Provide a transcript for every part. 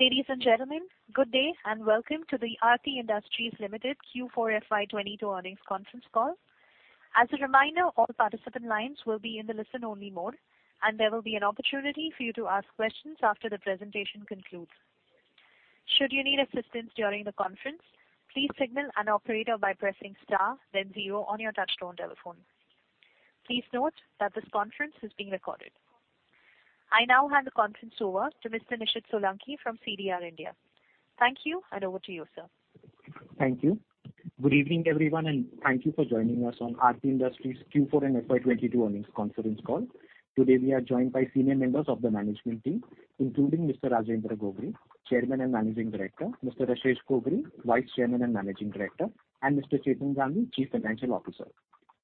Ladies and gentlemen, good day, and welcome to the Aarti Industries Limited Q4 FY22 earnings conference call. As a reminder, all participant lines will be in the listen only mode, and there will be an opportunity for you to ask questions after the presentation concludes. Should you need assistance during the conference, please signal an operator by pressing * then zero on your touchtone telephone. Please note that this conference is being recorded. I now hand the conference over to Mr. Nishit Solanki from CDR India. Thank you, and over to you, sir. Thank you. Good evening, everyone, and thank you for joining us on Aarti Industries Q4 and FY22 earnings conference call. Today, we are joined by senior members of the management team, including Mr. Rajendra Gogri, Chairman and Managing Director, Mr. Rashesh Gogri, Vice Chairman and Managing Director, and Mr. Chetan Gandhi, Chief Financial Officer.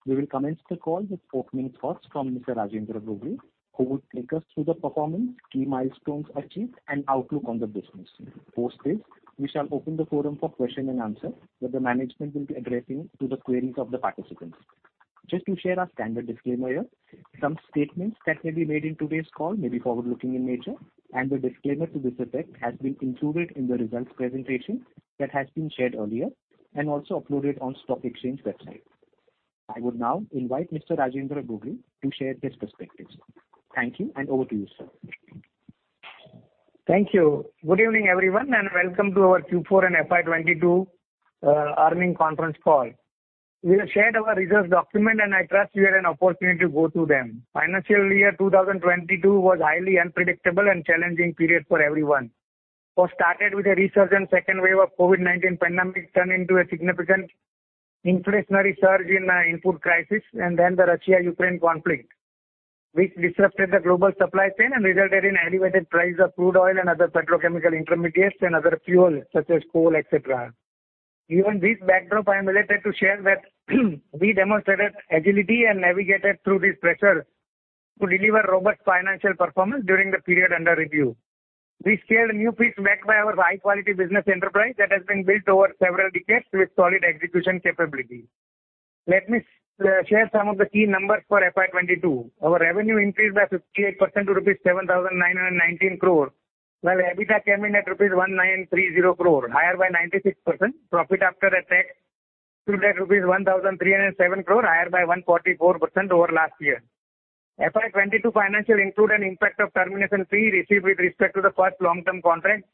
We will commence the call with opening thoughts from Mr. Rajendra Gogri, who will take us through the performance, key milestones achieved and outlook on the business. Post this, we shall open the forum for question and answer, where the management will be addressing to the queries of the participants. Just to share our standard disclaimer here, some statements that may be made in today's call may be forward-looking in nature, and the disclaimer to this effect has been included in the results presentation that has been shared earlier and also uploaded on stock exchange website. I would now invite Mr. Rajendra Gogri to share his perspectives. Thank you, and over to you, sir. Thank you. Good evening, everyone, and welcome to our Q4 and FY 22 earnings conference call. We have shared our results document, and I trust you had an opportunity to go through them. Financial year 2022 was highly unpredictable and challenging period for everyone. What started with a resurgent second wave of COVID-19 pandemic turned into a significant inflationary surge in input crisis, and then the Russia-Ukraine conflict, which disrupted the global supply chain and resulted in elevated price of crude oil and other petrochemical intermediates and other fuels such as coal, et cetera. Given this backdrop, I am delighted to share that we demonstrated agility and navigated through this pressure to deliver robust financial performance during the period under review. We scaled new peaks backed by our high quality business enterprise that has been built over several decades with solid execution capability. Let me share some of the key numbers for FY 2022. Our revenue increased by 58% to rupees 7,919 crore, while EBITDA came in at rupees 1,930 crore, higher by 96%. Profit after tax stood at rupees 1,307 crore, higher by 144% over last year. FY 2022 financials include an impact of termination fee received with respect to the first long-term contract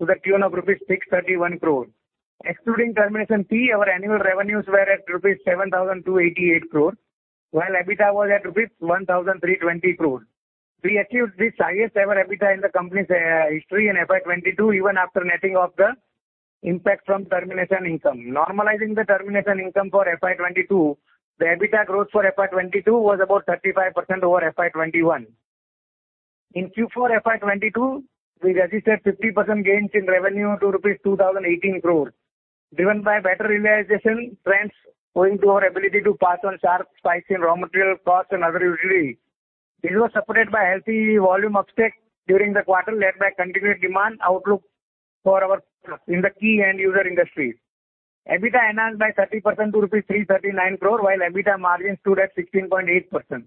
to the tune of rupees 631 crore. Excluding termination fee, our annual revenues were at rupees 7,288 crore, while EBITDA was at rupees 1,320 crore. We achieved this highest ever EBITDA in the company's history in FY 2022, even after netting off the impact from termination income. Normalizing the termination income for FY 2022, the EBITDA growth for FY 2022 was about 35% over FY 2021. In Q4 FY 2022, we registered 50% gains in revenue to rupees 2,018 crore, driven by better realization trends owing to our ability to pass on sharp spikes in raw material costs and other utilities. This was supported by healthy volume uptick during the quarter, led by continued demand outlook in the key end user industries. EBITDA enhanced by 30% to rupees 339 crore, while EBITDA margin stood at 16.8%.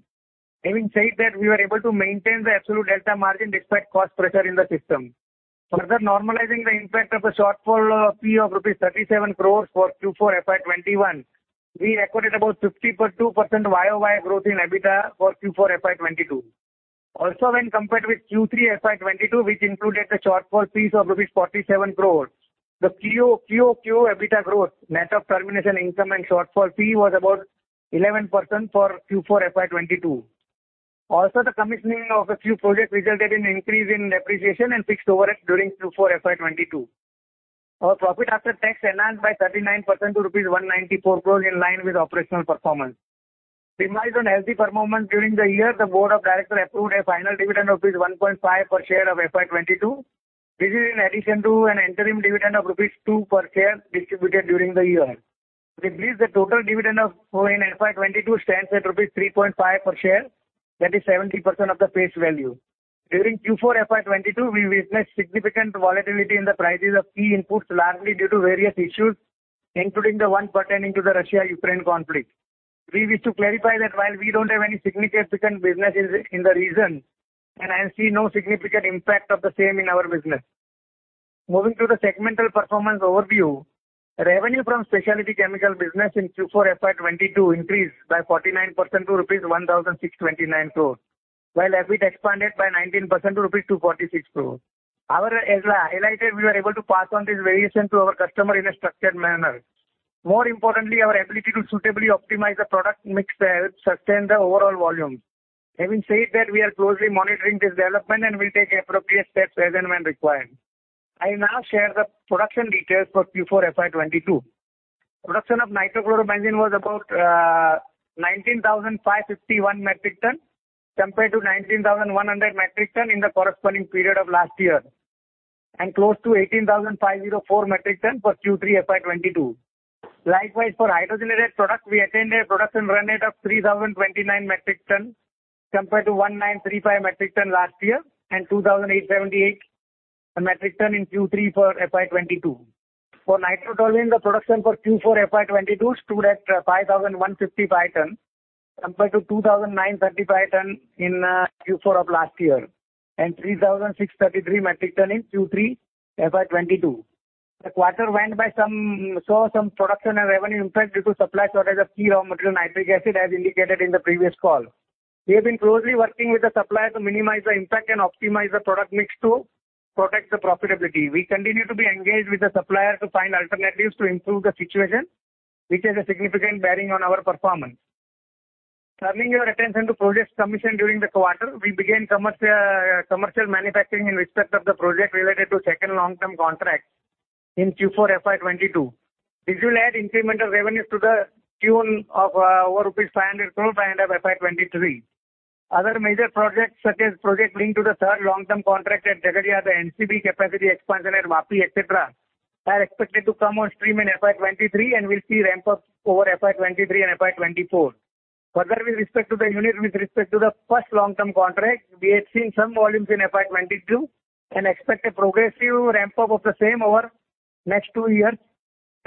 Having said that, we were able to maintain the absolute delta margin despite cost pressure in the system. Further normalizing the impact of the shortfall fee of rupees 37 crore for Q4 FY 2021, we recorded about 52% YOY growth in EBITDA for Q4 FY 2022. Also, when compared with Q3 FY 22, which included the shortfall fees of rupees 47 crore, the QoQ EBITDA growth net of termination income and shortfall fee was about 11% for Q4 FY 22. Also, the commissioning of a few projects resulted in increase in depreciation and fixed overheads during Q4 FY 22. Our profit after tax enhanced by 39% to rupees 194 crore in line with operational performance. In light of healthy performance during the year, the Board of Directors approved a final dividend of INR 1.5 per share of FY 22. This is in addition to an interim dividend of 2 rupees per share distributed during the year. This leaves the total dividend in FY 22 at rupees 3.5 per share, that is 70% of the face value. During Q4 FY 2022, we witnessed significant volatility in the prices of key inputs, largely due to various issues, including the one pertaining to the Russia-Ukraine conflict. We wish to clarify that while we don't have any significant businesses in the region, and I see no significant impact of the same in our business. Moving to the segmental performance overview, revenue from specialty chemical business in Q4 FY 2022 increased by 49% to rupees 1,629 crores, while EBIT expanded by 19% to rupees 246 crores. As highlighted, we were able to pass on this variation to our customer in a structured manner. More importantly, our ability to suitably optimize the product mix helped sustain the overall volumes. Having said that, we are closely monitoring this development and will take appropriate steps as and when required. I now share the production details for Q4 FY 2022. Production of nitrochlorobenzene was about 19,551 metric ton compared to 19,100 metric ton in the corresponding period of last year, and close to 18,504 metric ton for Q3 FY 2022. Likewise, for hydrogenated product, we attained a production run rate of 3,029 metric ton compared to 1,935 metric ton last year and 2,878 metric ton in Q3 for FY 2022. For nitrotoluene, the production for Q4 FY 2022 stood at 5,155 ton compared to 2,935 ton in Q4 of last year, and 3,633 metric ton in Q3 FY 2022. The quarter saw some production and revenue impact due to supply shortage of key raw material nitric acid as indicated in the previous call. We have been closely working with the supplier to minimize the impact and optimize the product mix to protect the profitability. We continue to be engaged with the supplier to find alternatives to improve the situation, which has a significant bearing on our performance. Turning your attention to projects commissioned during the quarter. We began commercial manufacturing in respect of the project related to second long-term contract in Q4 FY 2022. This will add incremental revenues to the tune of over rupees 500 crore by end of FY 2023. Other major projects such as project linked to the third long-term contract at Jhagadia, the NCB capacity expansion at Vapi, etc., are expected to come on stream in FY 2023 and will see ramp up over FY 2023 and FY 2024. Further, with respect to the unit, with respect to the first long-term contract, we had seen some volumes in FY 2022 and expect a progressive ramp up of the same over next two years,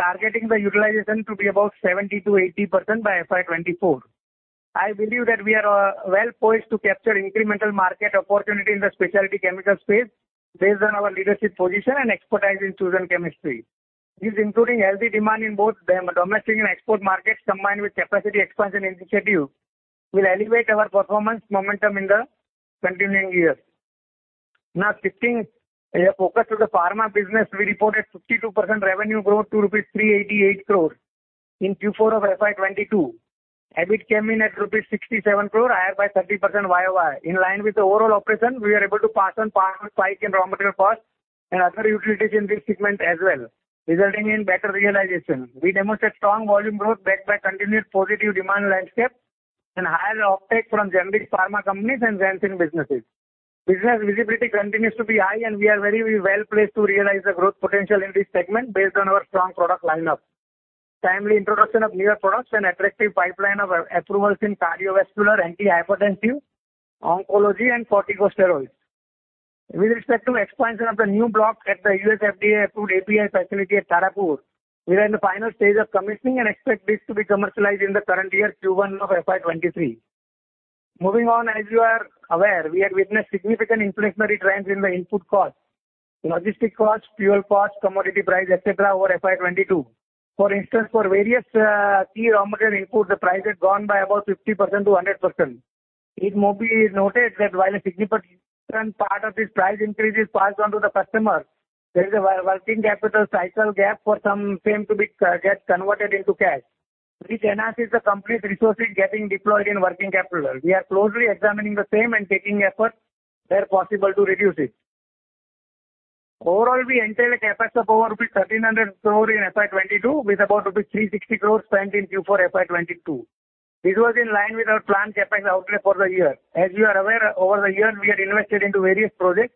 targeting the utilization to be about 70%-80% by FY 2024. I believe that we are well poised to capture incremental market opportunity in the specialty chemical space based on our leadership position and expertise in chosen chemistry. This including healthy demand in both domestic and export markets, combined with capacity expansion initiatives, will elevate our performance momentum in the continuing years. Now shifting focus to the pharma business. We reported 52% revenue growth to rupees 388 crore in Q4 of FY 2022. EBIT came in at rupees 67 crore, higher by 30% YOY. In line with the overall operation, we are able to pass on spike in raw material cost and other utilities in this segment as well, resulting in better realization. We demonstrate strong volume growth backed by continued positive demand landscape and higher offtake from generic pharma companies and benzene businesses. Business visibility continues to be high, and we are very well-placed to realize the growth potential in this segment based on our strong product lineup. Timely introduction of newer products and attractive pipeline of approvals in cardiovascular, antihypertensive, oncology, and corticosteroids. With respect to expansion of the new block at the U.S., FDA-approved API facility at Tarapur, we are in the final stage of commissioning and expect this to be commercialized in the current year Q1 of FY 2023. Moving on, as you are aware, we have witnessed significant inflationary trends in the input cost, logistic cost, fuel cost, commodity price, et cetera, over FY 2022. For instance, for various key raw material input, the price has gone by about 50% to 100%. It may be noted that while a significant part of this price increase is passed on to the customer, there is a working capital cycle gap for some claims to get converted into cash, which enhances the company's resources getting deployed in working capital. We are closely examining the same and taking efforts where possible to reduce it. Overall, we entailed a CapEx of over INR 1,300 crore in FY 2022, with about INR 360 crores spent in Q4 FY 2022. This was in line with our planned CapEx outlay for the year. As you are aware, over the years we had invested into various projects,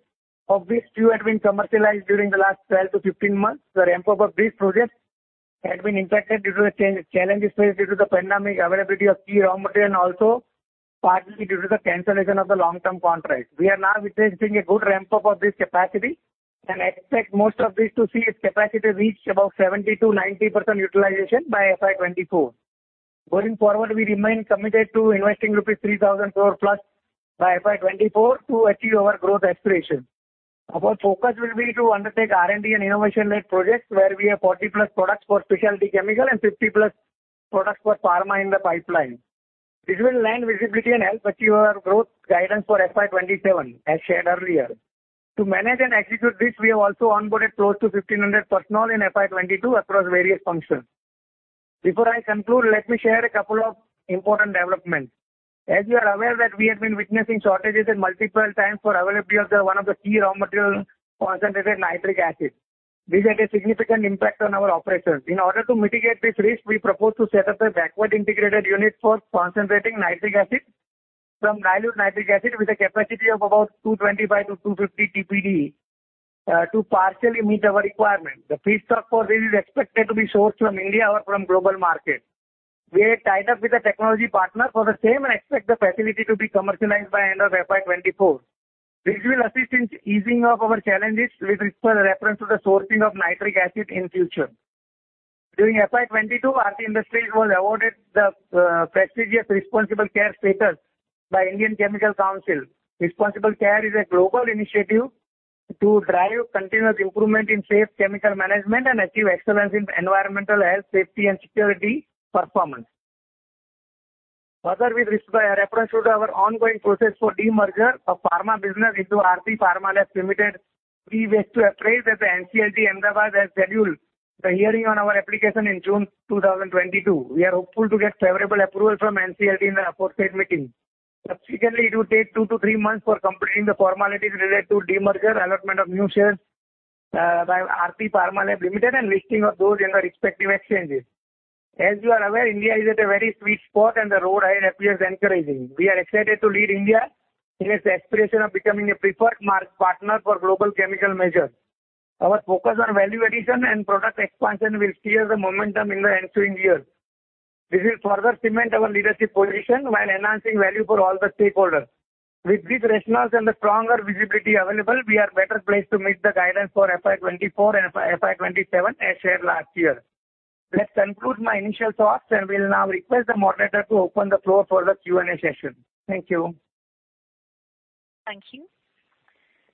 of which few had been commercialized during the last 12 to 15 months. The ramp up of these projects had been impacted due to the challenges faced due to the pandemic, availability of key raw material, and also partly due to the cancellation of the long-term contracts. We are now witnessing a good ramp up of this capacity and expect most of these to see its capacity reach about 70%-90% utilization by FY 2024. Going forward, we remain committed to investing rupees 3,000 crore+ by FY 2024 to achieve our growth aspirations. Our focus will be to undertake R&D and innovation-led projects where we have 40+ products for specialty chemical and 50+ products for pharma in the pipeline. This will lend visibility and help achieve our growth guidance for FY 2027, as shared earlier. To manage and execute this, we have also onboarded close to 1,500 personnel in FY 2022 across various functions. Before I conclude, let me share a couple of important developments. As you are aware that we had been witnessing shortages at multiple times for availability of one of the key raw material, concentrated nitric acid. This had a significant impact on our operations. In order to mitigate this risk, we propose to set up a backward integrated unit for concentrating nitric acid from dilute nitric acid with a capacity of about 225-250 TPD to partially meet our requirement. The feedstock for this is expected to be sourced from India or from global market. We are tied up with a technology partner for the same and expect the facility to be commercialized by end of FY 2024, which will assist in easing of our challenges with reference to the sourcing of nitric acid in future. During FY 2022, Aarti Industries was awarded the prestigious Responsible Care status by Indian Chemical Council. Responsible Care is a global initiative to drive continuous improvement in safe chemical management and achieve excellence in environmental, health, safety, and security performance. Further, with reference to our ongoing process for demerger of pharma business into Aarti Pharmalabs Limited, we wish to apprise that the NCLT Ahmedabad has scheduled the hearing on our application in June 2022. We are hopeful to get favorable approval from NCLT in the aforesaid meeting. Subsequently, it would take two to three months for completing the formalities related to demerger, allotment of new shares, by Aarti Pharmalabs Limited, and listing of those in the respective exchanges. As you are aware, India is at a very sweet spot, and the road ahead appears encouraging. We are excited to lead India in its aspiration of becoming a preferred market partner for global chemical majors. Our focus on value addition and product expansion will steer the momentum in the ensuing years. This will further cement our leadership position while enhancing value for all the stakeholders. With these rationale and the stronger visibility available, we are better placed to meet the guidance for FY 2024 and FY 2027 as shared last year. This concludes my initial thoughts, and we'll now request the moderator to open the floor for the Q&A session. Thank you. Thank you.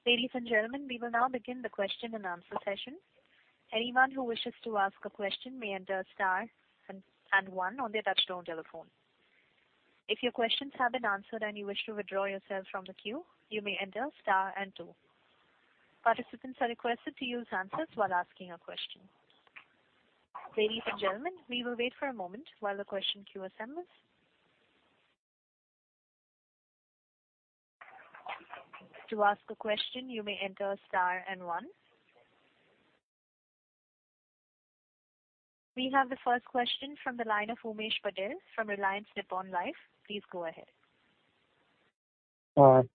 Ladies and gentlemen, we will now begin the question-and-answer session. Anyone who wishes to ask a question may enter * and one on their touch-tone telephone. If your questions have been answered and you wish to withdraw yourself from the queue, you may enter * and two. Participants are requested to use handsets while asking a question. Ladies and gentlemen, we will wait for a moment while the question queue assembles. To ask a question, you may enter * and one. We have the first question from the line of Umesh Patel from Reliance Nippon Life. Please go ahead.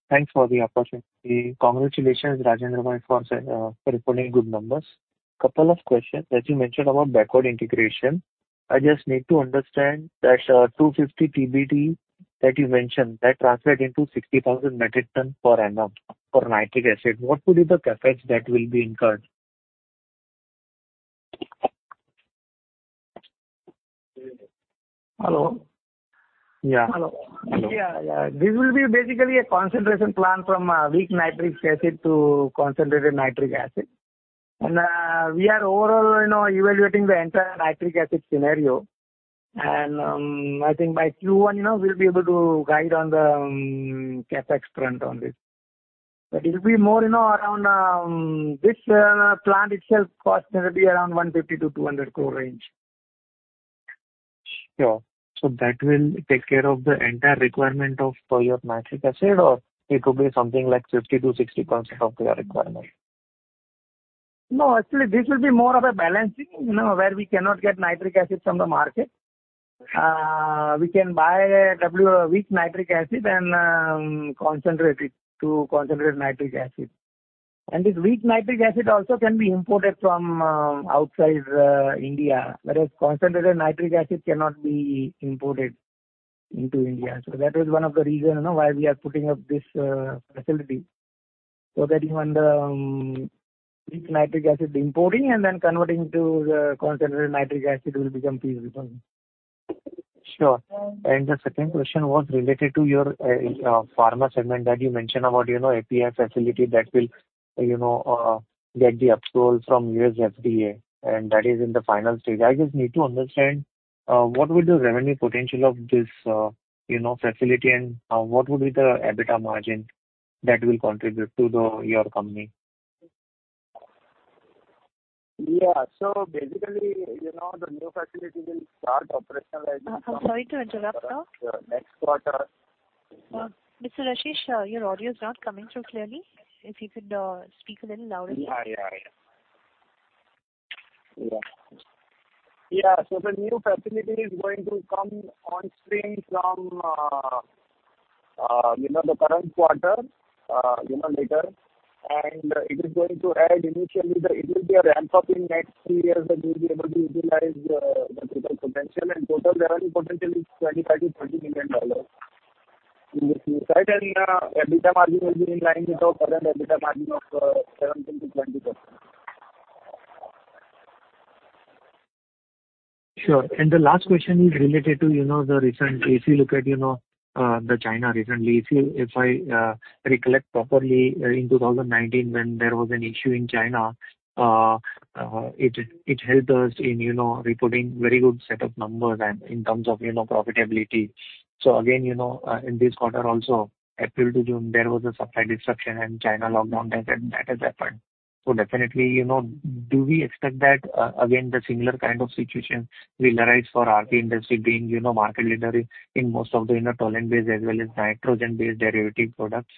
Thanks for the opportunity. Congratulations, Rajendra, for reporting good numbers. Couple of questions. As you mentioned about backward integration, I just need to understand that 250 TPD that you mentioned that translate into 60,000 metric tons per annum for nitric acid. What would be the CapEx that will be incurred? Hello? Yeah. Hello. This will be basically a concentration plan from weak nitric acid to concentrated nitric acid. We are overall, you know, evaluating the entire nitric acid scenario. I think by Q1, you know, we'll be able to guide on the CapEx front on this. It'll be more, you know, around this plant itself cost maybe around INR 150 crore-INR 200 crore range. Sure. That will take care of the entire requirement of your nitric acid, or it could be something like 50%-60% of your requirement? No, actually, this will be more of a balancing, you know, where we cannot get nitric acid from the market. We can buy weak nitric acid and concentrate it to concentrated nitric acid. This weak nitric acid also can be imported from outside India. Whereas concentrated nitric acid cannot be imported into India. That is one of the reason why we are putting up this facility, so that even the weak nitric acid importing and then converting to the concentrated nitric acid will become feasible. Sure. The second question was related to your pharma segment that you mentioned about, you know, API facility that will, you know, get the approval from U.S., FDA, and that is in the final stage. I just need to understand what would the revenue potential of this, you know, facility and what would be the EBITDA margin that will contribute to your company? Yeah. Basically, you know, the new facility will start operationalizing. I'm sorry to interrupt, sir. The next quarter. Mr. Rashesh Gogri, your audio is not coming through clearly. If you could, speak a little louder. Yeah. The new facility is going to come on stream from, you know, the current quarter, you know, later. It is going to add initially. It will be a ramp-up in next three years that we'll be able to utilize the total potential. Total revenue potential is $25 million-$30 million. EBITDA margin will be in line with our current EBITDA margin of 17%-20%. Sure. The last question is related to, you know, the recent. If you look at, you know, the China recently, if I recollect properly, in 2019 when there was an issue in China, it helped us in, you know, reporting very good set of numbers and in terms of, you know, profitability. Again, you know, in this quarter also, April to June, there was a supply disruption and China lockdown that has happened. Definitely, you know, do we expect that, again, the similar kind of situation will arise for RP industry being, you know, market leader in most of the, you know, toluene base as well as nitrogen-based derivative products?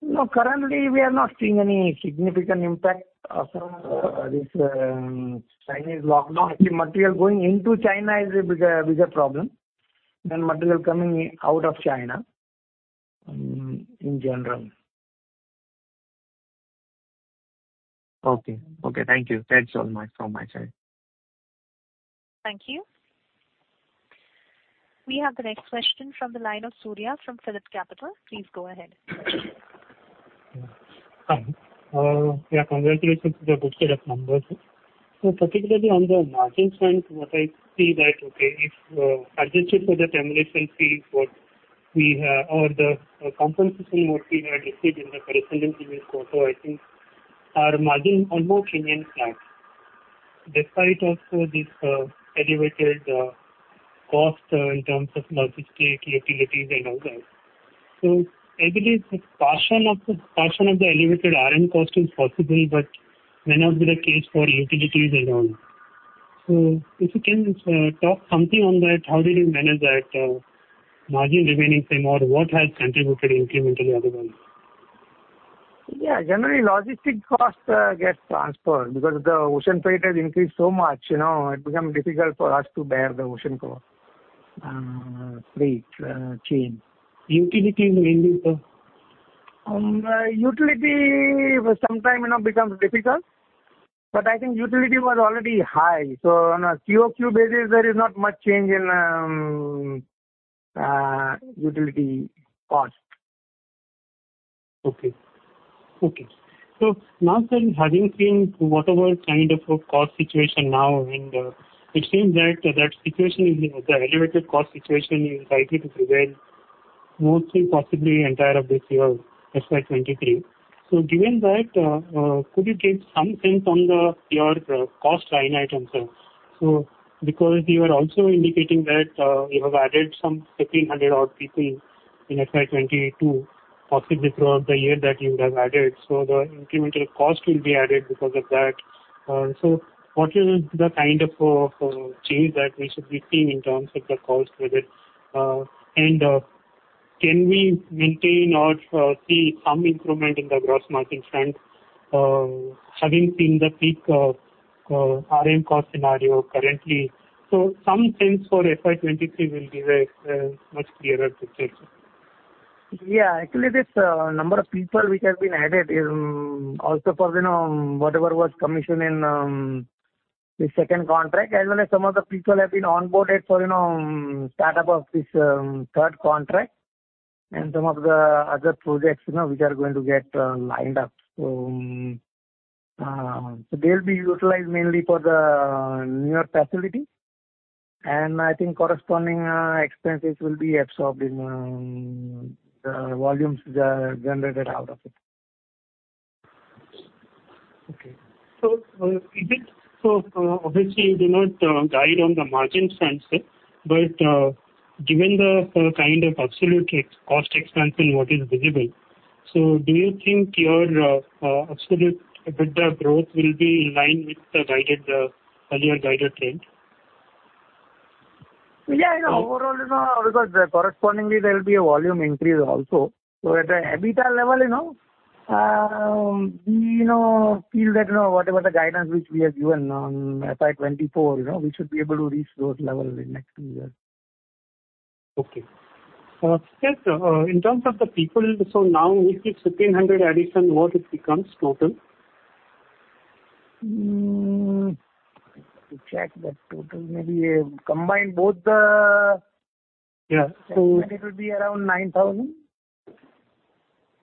No, currently we are not seeing any significant impact of this Chinese lockdown. Actually material going into China is a bigger problem than material coming out of China in general. Okay, thank you. That's all from my side. Thank you. We have the next question from the line of Surya from PhillipCapital. Please go ahead. Hi. Yeah, congratulations on the good set of numbers. Particularly on the margin front, what I see that, okay, if adjusted for the termination fees what we have or the compensation what we had received in the corresponding previous quarter, I think our margin almost remained flat. Despite also this elevated cost in terms of logistics, utilities and all that. I believe a portion of the elevated RM cost is possible but may not be the case for utilities and all. If you can talk something on that, how did you manage that margin remaining same, or what has contributed incrementally otherwise? Yeah, generally logistics costs get transferred because the ocean freight has increased so much, you know, it become difficult for us to bear the ocean freight charges. Utilities mainly, sir? Utility sometimes, you know, becomes difficult, but I think utility was already high. On a QOQ basis, there is not much change in utility cost. Okay. Now, sir, having seen whatever kind of a cost situation now and it seems that the elevated cost situation is likely to prevail mostly possibly entire of this year, FY 2023. Given that, could you give some sense on your cost line item, sir? Because you are also indicating that you have added some 1,500-odd people in FY 2022, possibly throughout the year that you would have added. The incremental cost will be added because of that. What is the kind of change that we should be seeing in terms of the cost with it? And can we maintain or see some improvement in the gross margin front, having seen the peak of RM cost scenario currently. Some sense for FY 2023 will be very much clearer to take, sir. Yeah. Actually, this number of people which have been added, also for, you know, whatever was commissioned in the second contract, as well as some of the people have been onboarded for, you know, startup of this third contract and some of the other projects, you know, which are going to get lined up. They'll be utilized mainly for the newer facility, and I think corresponding expenses will be absorbed in the volumes generated out of it. Obviously you did not guide on the margin front, sir. Given the kind of absolute expense cost expansion what is visible, do you think your absolute EBITDA growth will be in line with the earlier guided trend? Yeah. You know, overall, you know, because correspondingly there will be a volume increase also. At the EBITDA level, you know, we, you know, feel that, you know, whatever the guidance which we have given on FY 2024, you know, we should be able to reach those levels in next 2 years. Okay. Sir, in terms of the people, now with this 1500 addition, what it becomes total? I have to check the total maybe. Yeah. It will be around 9,000.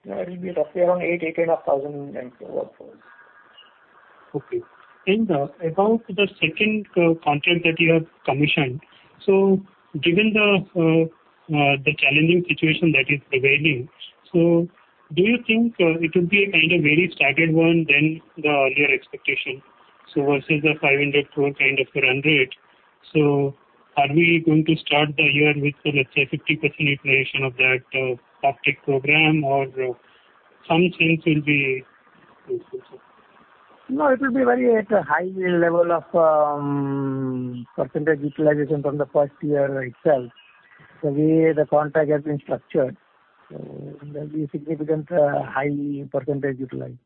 Yeah, it'll be roughly around 8.5 thousand in total workforce. Okay. About the second contract that you have commissioned, given the challenging situation that is prevailing, do you think it will be a kind of very staggered one than the earlier expectation? Versus the 500 crore kind of run rate. Are we going to start the year with, let's say, 50% utilization of that captive program or some sense will be useful, sir. No, it will be very high level of percentage utilization from the first year itself. The way the contract has been structured, there'll be significantly high percentage utilization.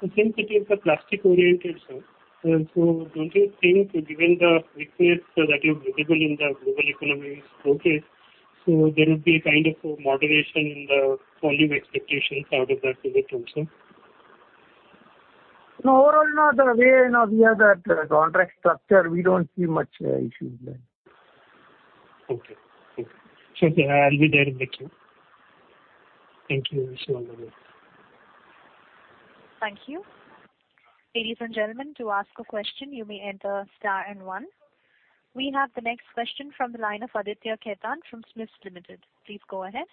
Since it is a plastic-oriented, sir, and so don't you think given the weakness that is visible in the global economies, okay, so there will be a kind of a moderation in the volume expectations out of that segment also? No. Overall, you know, the way, you know, we have that contract structured, we don't see much issues there. Okay. I'll be there with you. Thank you so much. Thank you. Ladies and gentlemen, to ask a question, you may enter * and one. We have the next question from the line of Aditya Khetan from SMIFS Limited. Please go ahead.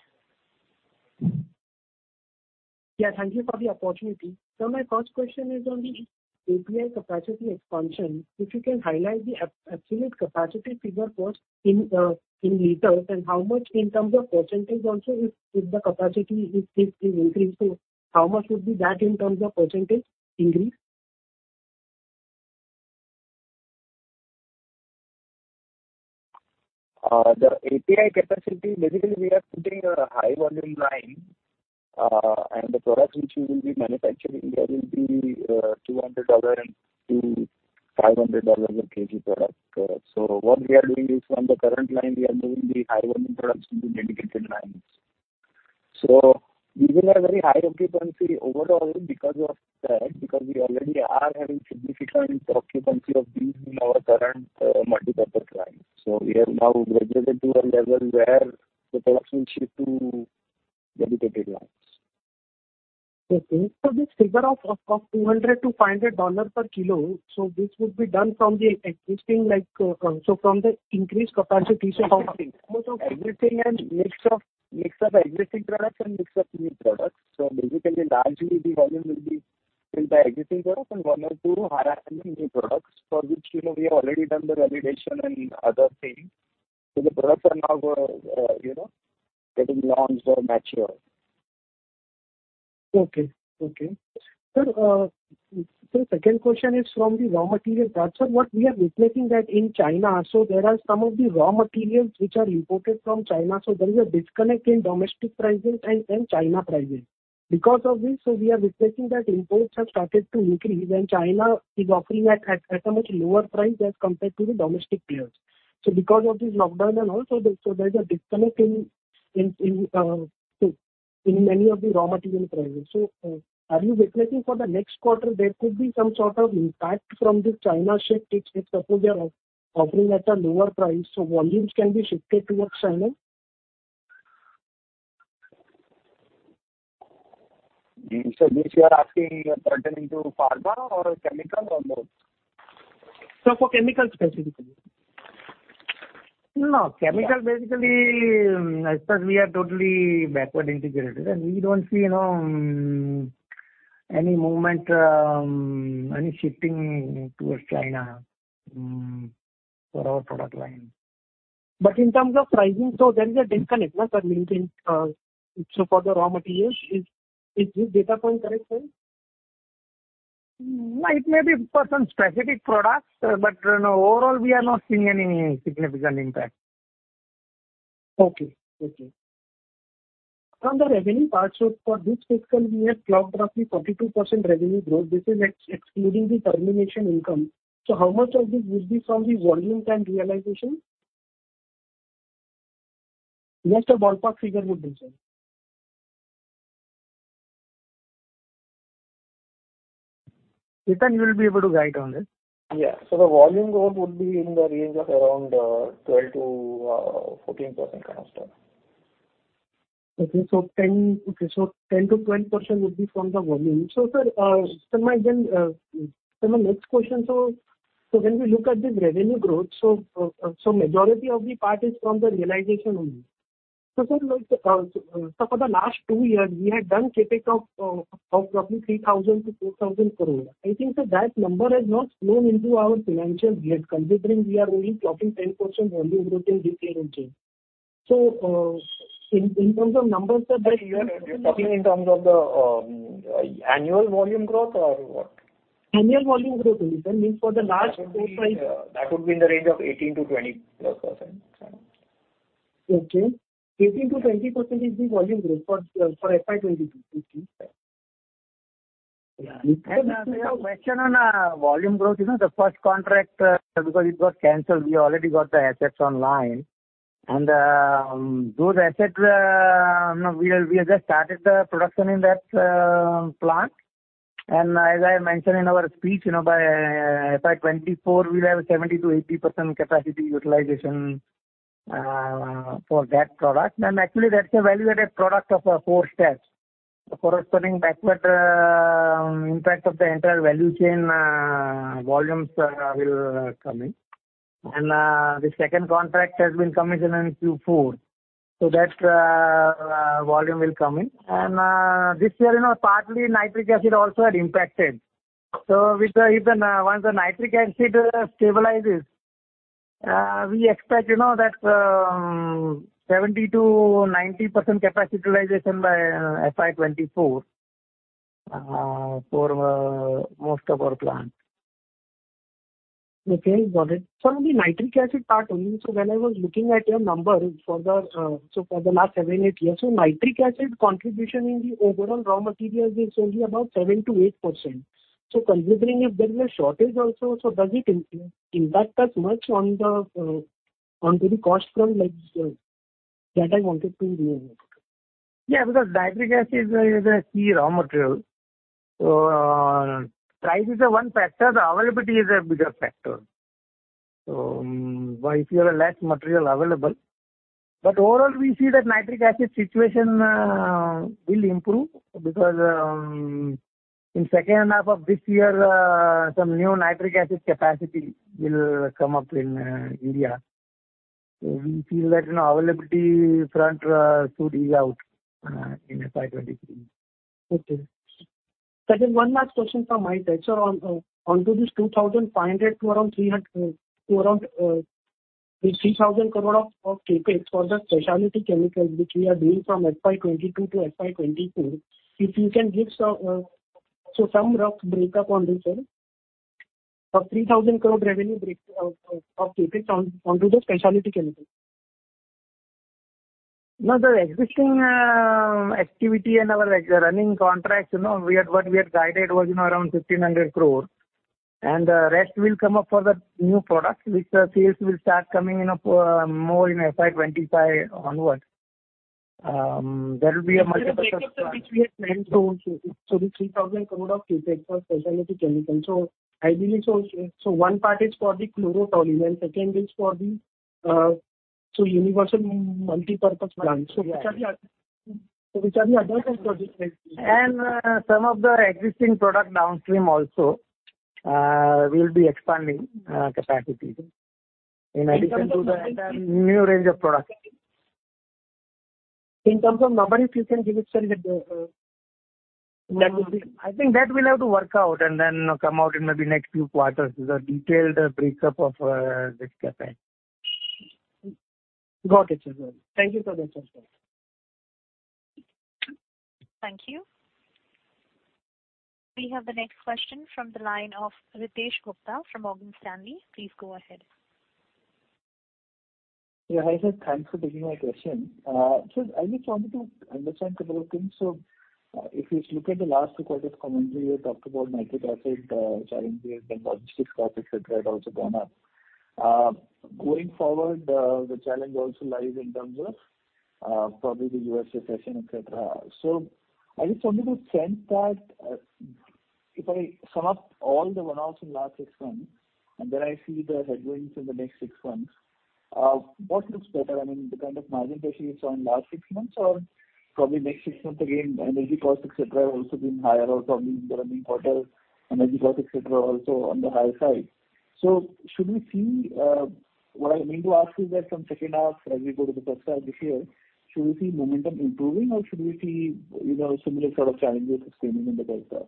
Yeah, thank you for the opportunity. My first question is on the API capacity expansion. If you can highlight the absolute capacity figure first in liters, and how much in terms of percentage also if the capacity is increased. How much would be that in terms of percentage increase? The API capacity, basically we are putting a high volume line, and the products which we will be manufacturing there will be $200-$500 a kg product. What we are doing is from the current line we are moving the high volume products into dedicated lines. We will have very high occupancy overall because of that, because we already are having significant occupancy of these in our current multipurpose lines. We have now graduated to a level where the products will shift to dedicated lines. Okay. This figure of $200-$500 per kilo, this would be done from the existing like, so from the increased capacity so how Mix of everything and mix of existing products and mix of new products. Basically largely the volume will be filled by existing products and one or two high-margin new products for which, you know, we have already done the validation and other things. The products are now, you know, getting launched or mature. Okay. Sir, second question is from the raw material part. What we are witnessing is that in China, there are some of the raw materials which are imported from China, so there is a disconnect in domestic pricing and China pricing. Because of this, we are witnessing that imports have started to increase and China is offering at a much lower price as compared to the domestic players. Because of this lockdown and all, there is a disconnect in many of the raw material prices. Are you expecting for the next quarter there could be some sort of impact from the China shift if suppose they are offering at a lower price, so volumes can be shifted towards China? This you are asking pertaining to pharma or chemical on the. Sir, for chemicals specifically. No. Chemicals basically, as such, we are totally backward integrated, and we don't see, you know, any movement, any shifting towards China for our product line. In terms of pricing, so there is a disconnect, no sir, between so for the raw materials. Is this data point correct, sir? It may be for some specific products, but no, overall, we are not seeing any significant impact. Okay. On the revenue part, so for this fiscal year, clocked roughly 42% revenue growth. This is excluding the termination income. How much of this would be from the volume and realization? Just a ballpark figure would do, sir. Chetan, you will be able to guide on this. Yeah. The volume growth would be in the range of around 12%-14% kind of stuff. Ten to twelve percent would be from the volume. Sir, my next question, when we look at this revenue growth, majority of the part is from the realization only. Sir, for the last two years, we have done CapEx of roughly 3,000-4,000 crore. I think that number has not flowed into our financial yet, considering we are only clocking 10% volume growth in the year change. In terms of numbers, sir, by- Talking in terms of the annual volume growth or what? Annual volume growth only, sir. Means for the last four, five. That would be in the range of 18%-20%+. Okay. 18%-20% is the volume growth for FY 2022. Okay. Your question on volume growth, you know, the first contract because it got canceled, we already got the assets online. Those assets, you know, we have just started the production in that plant. As I mentioned in our speech, you know, by FY 2024 we'll have 70%-80% capacity utilization for that product. Actually, that's a value-added product of four steps. The corresponding backward impact of the entire value chain volumes will come in. The second contract has been commissioned in Q4, so that volume will come in. This year, you know, partly nitric acid also had impacted. Even once the nitric acid stabilizes, we expect, you know, that 70%-90% capacity utilization by FY 2024 for most of our plants. Okay, got it. On the nitric acid part only, when I was looking at your numbers for the last 7-8 years. Nitric acid contribution in the overall raw materials is only about 7%-8%. Considering if there is a shortage also, does it impact us much on to the cost front like that I wanted to know. Nitric acid is a key raw material. Price is one factor, the availability is a bigger factor. If you have less material available. Overall, we see that nitric acid situation will improve because in second half of this year, some new nitric acid capacity will come up in India. We feel that, you know, availability front should ease out in FY 2023. Okay. Sir, just one last question from my side. Onto this 2,500 crore to around 3,000 crore of CapEx for the specialty chemicals, which we are doing from FY 2022 to FY 2024, if you can give some rough breakup on this, sir. Of 3,000 crore revenue breakup of CapEx onto the specialty chemicals. No, the existing activity and our, like, running contracts, you know, what we had guided was, you know, around 1,500 crore. The rest will come up for the new products, which the sales will start coming in, more in FY 2025 onwards. There will be a much better. The breakup, sir, which we had planned. The 3,000 crore of CapEx for specialty chemicals. I believe one part is for the chlorotoluene, second is for the universal multipurpose plant. Which are the other projects, right? Some of the existing product downstream also, we'll be expanding capacity. In addition to the new range of products. In terms of numbers, if you can give it, sir. That would be. I think that we'll have to work out and then come out in maybe next few quarters, the detailed breakup of this CapEx. Got it, sir. Thank you for the. Yes. Thank you. We have the next question from the line of Ritesh Gupta from Morgan Stanley. Please go ahead. Yeah, hi, sir. Thanks for taking my question. I just wanted to understand couple of things. If you look at the last two quarters commentary, you talked about nitric acid, challenges and logistics cost, et cetera, had also gone up. Going forward, the challenge also lies in terms of, probably the U.S. recession, et cetera. I just wanted to sense that, if I sum up all the run outs in last six months, and then I see the headwinds in the next six months, what looks better? I mean, the kind of margin pressure you saw in last six months or probably next six months again, energy costs, et cetera, have also been higher or probably the running quarter, energy costs, et cetera, are also on the higher side. Should we see... What I mean to ask you is that from second half as we go to the first half this year, should we see momentum improving or should we see, you know, similar sort of challenges continuing in the first half?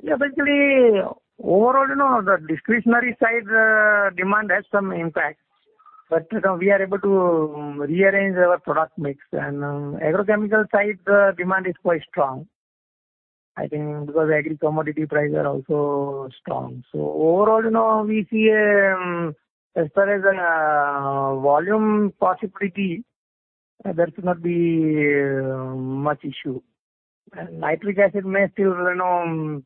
Yeah. Basically, overall, you know, the discretionary side, demand has some impact. You know, we are able to rearrange our product mix. Agrochemical side, demand is quite strong, I think because agri commodity prices are also strong. Overall, you know, we see, as far as, volume possibility, there should not be, much issue. Nitric acid may still, you know,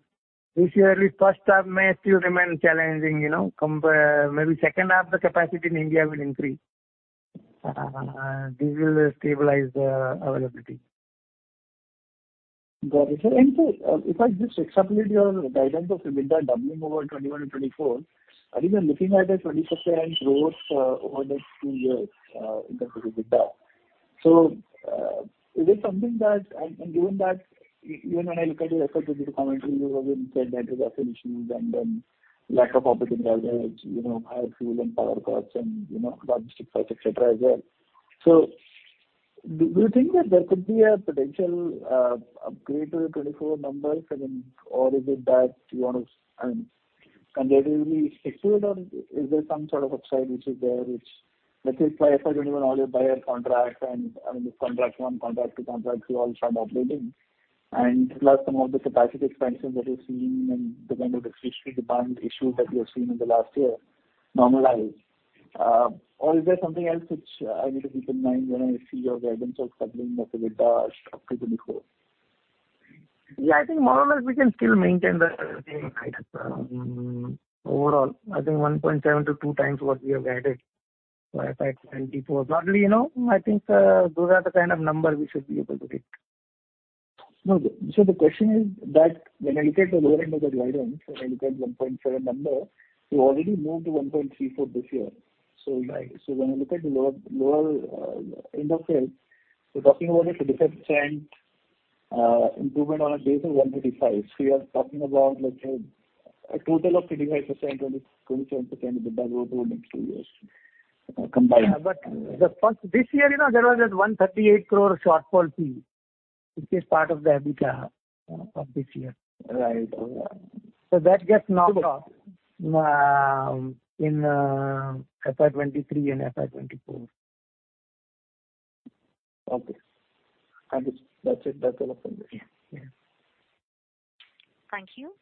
this year, at least first half may still remain challenging, you know. Maybe second half, the capacity in India will increase. This will stabilize the availability. Got it. If I just extrapolate your guidance of EBITDA doubling over 2021 and 2024, are we looking at a 20% growth over the two years in terms of EBITDA? Is it something that. Given that even when I look at your FQ3 commentary, you have said nitric acid issues and then lack of operating leverage, you know, higher fuel and power costs and, you know, logistics costs, et cetera, as well. Do you think that there could be a potential upgrade to the 2024 numbers? I mean, or is it that you want to, I mean, conservatively stick to it or is there some sort of upside which is there, which let's say FY 2021, all your Bayer contracts and, I mean, the contract one, contract two contracts you all signed up within. Plus some of the capacity expansion that we're seeing and the kind of discretionary demand issues that we have seen in the last year normalize. Or is there something else which I need to keep in mind when I see your guidance of doubling the EBITDA up to 2024? Yeah. I think more or less we can still maintain the same guidance. Overall, I think 1.7-2 times what we have added by FY 2024. Roughly, you know, I think, those are the kind of number we should be able to hit. No. The question is that when I look at the lower end of the guidance, when I look at 1.7 number, you already moved to 1.34 this year. When I look at the lower end of it, we're talking about a 35% improvement on a base of 135. You are talking about like a total of 35%, 20, 27% EBITDA growth over the next two years combined. This year, you know, there was a 138 crore shortfall fee, which is part of the EBITDA of this year. Right. Oh, yeah. That gets knocked off in FY 2023 and FY 2024. Okay. Understood. That's it. That's all from me. Yeah. Thank you.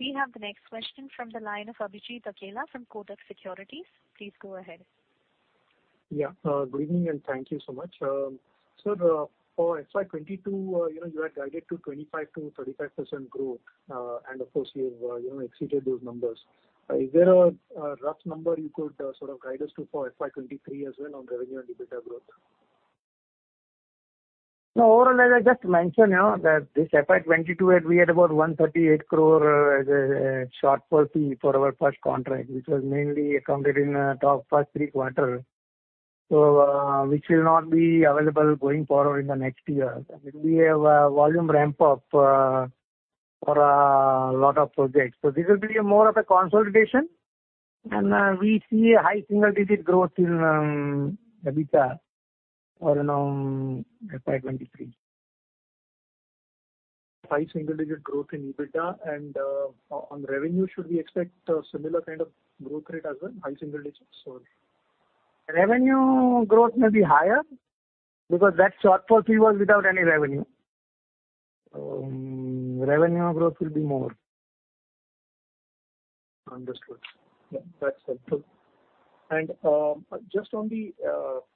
We have the next question from the line of Abhijit Akella from Kotak Securities. Please go ahead. Yeah. Good evening and thank you so much. Sir, for FY 22, you know, you had guided to 25-35% growth. Of course, you've, you know, exceeded those numbers. Is there a rough number you could, sort of guide us to for FY 23 as well on revenue and EBITDA growth? No. Overall, as I just mentioned, you know, that this FY 2022, we had about 138 crore shortfall fee for our first contract, which was mainly accounted in the first three quarters. Which will not be available going forward in the next year. I mean, we have a volume ramp up for lot of projects. This will be more of a consolidation. We see a high single-digit growth in EBITDA for, you know, FY 2023. High single-digit growth in EBITDA. On revenue, should we expect a similar kind of growth rate as well? High single-digits or- Revenue growth may be higher because that shortfall fee was without any revenue. Revenue growth will be more. Understood. Yeah. That's helpful. Just on the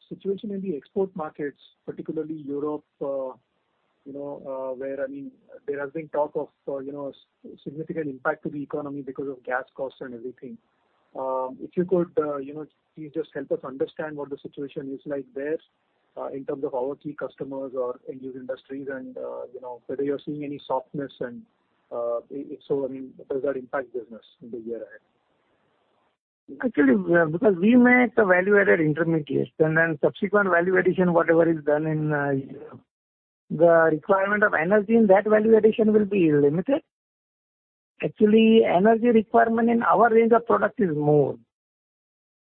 situation in the export markets, particularly Europe, you know, where, I mean, there has been talk of, you know, significant impact to the economy because of gas costs and everything. If you could, you know, please just help us understand what the situation is like there, in terms of our key customers or end-use industries and, you know, whether you're seeing any softness and, if so, I mean, does that impact business in the year ahead? Actually, because we make the value-added intermediates and then subsequent value addition, whatever is done in the requirement of energy in that value addition will be limited. Actually, energy requirement in our range of product is more.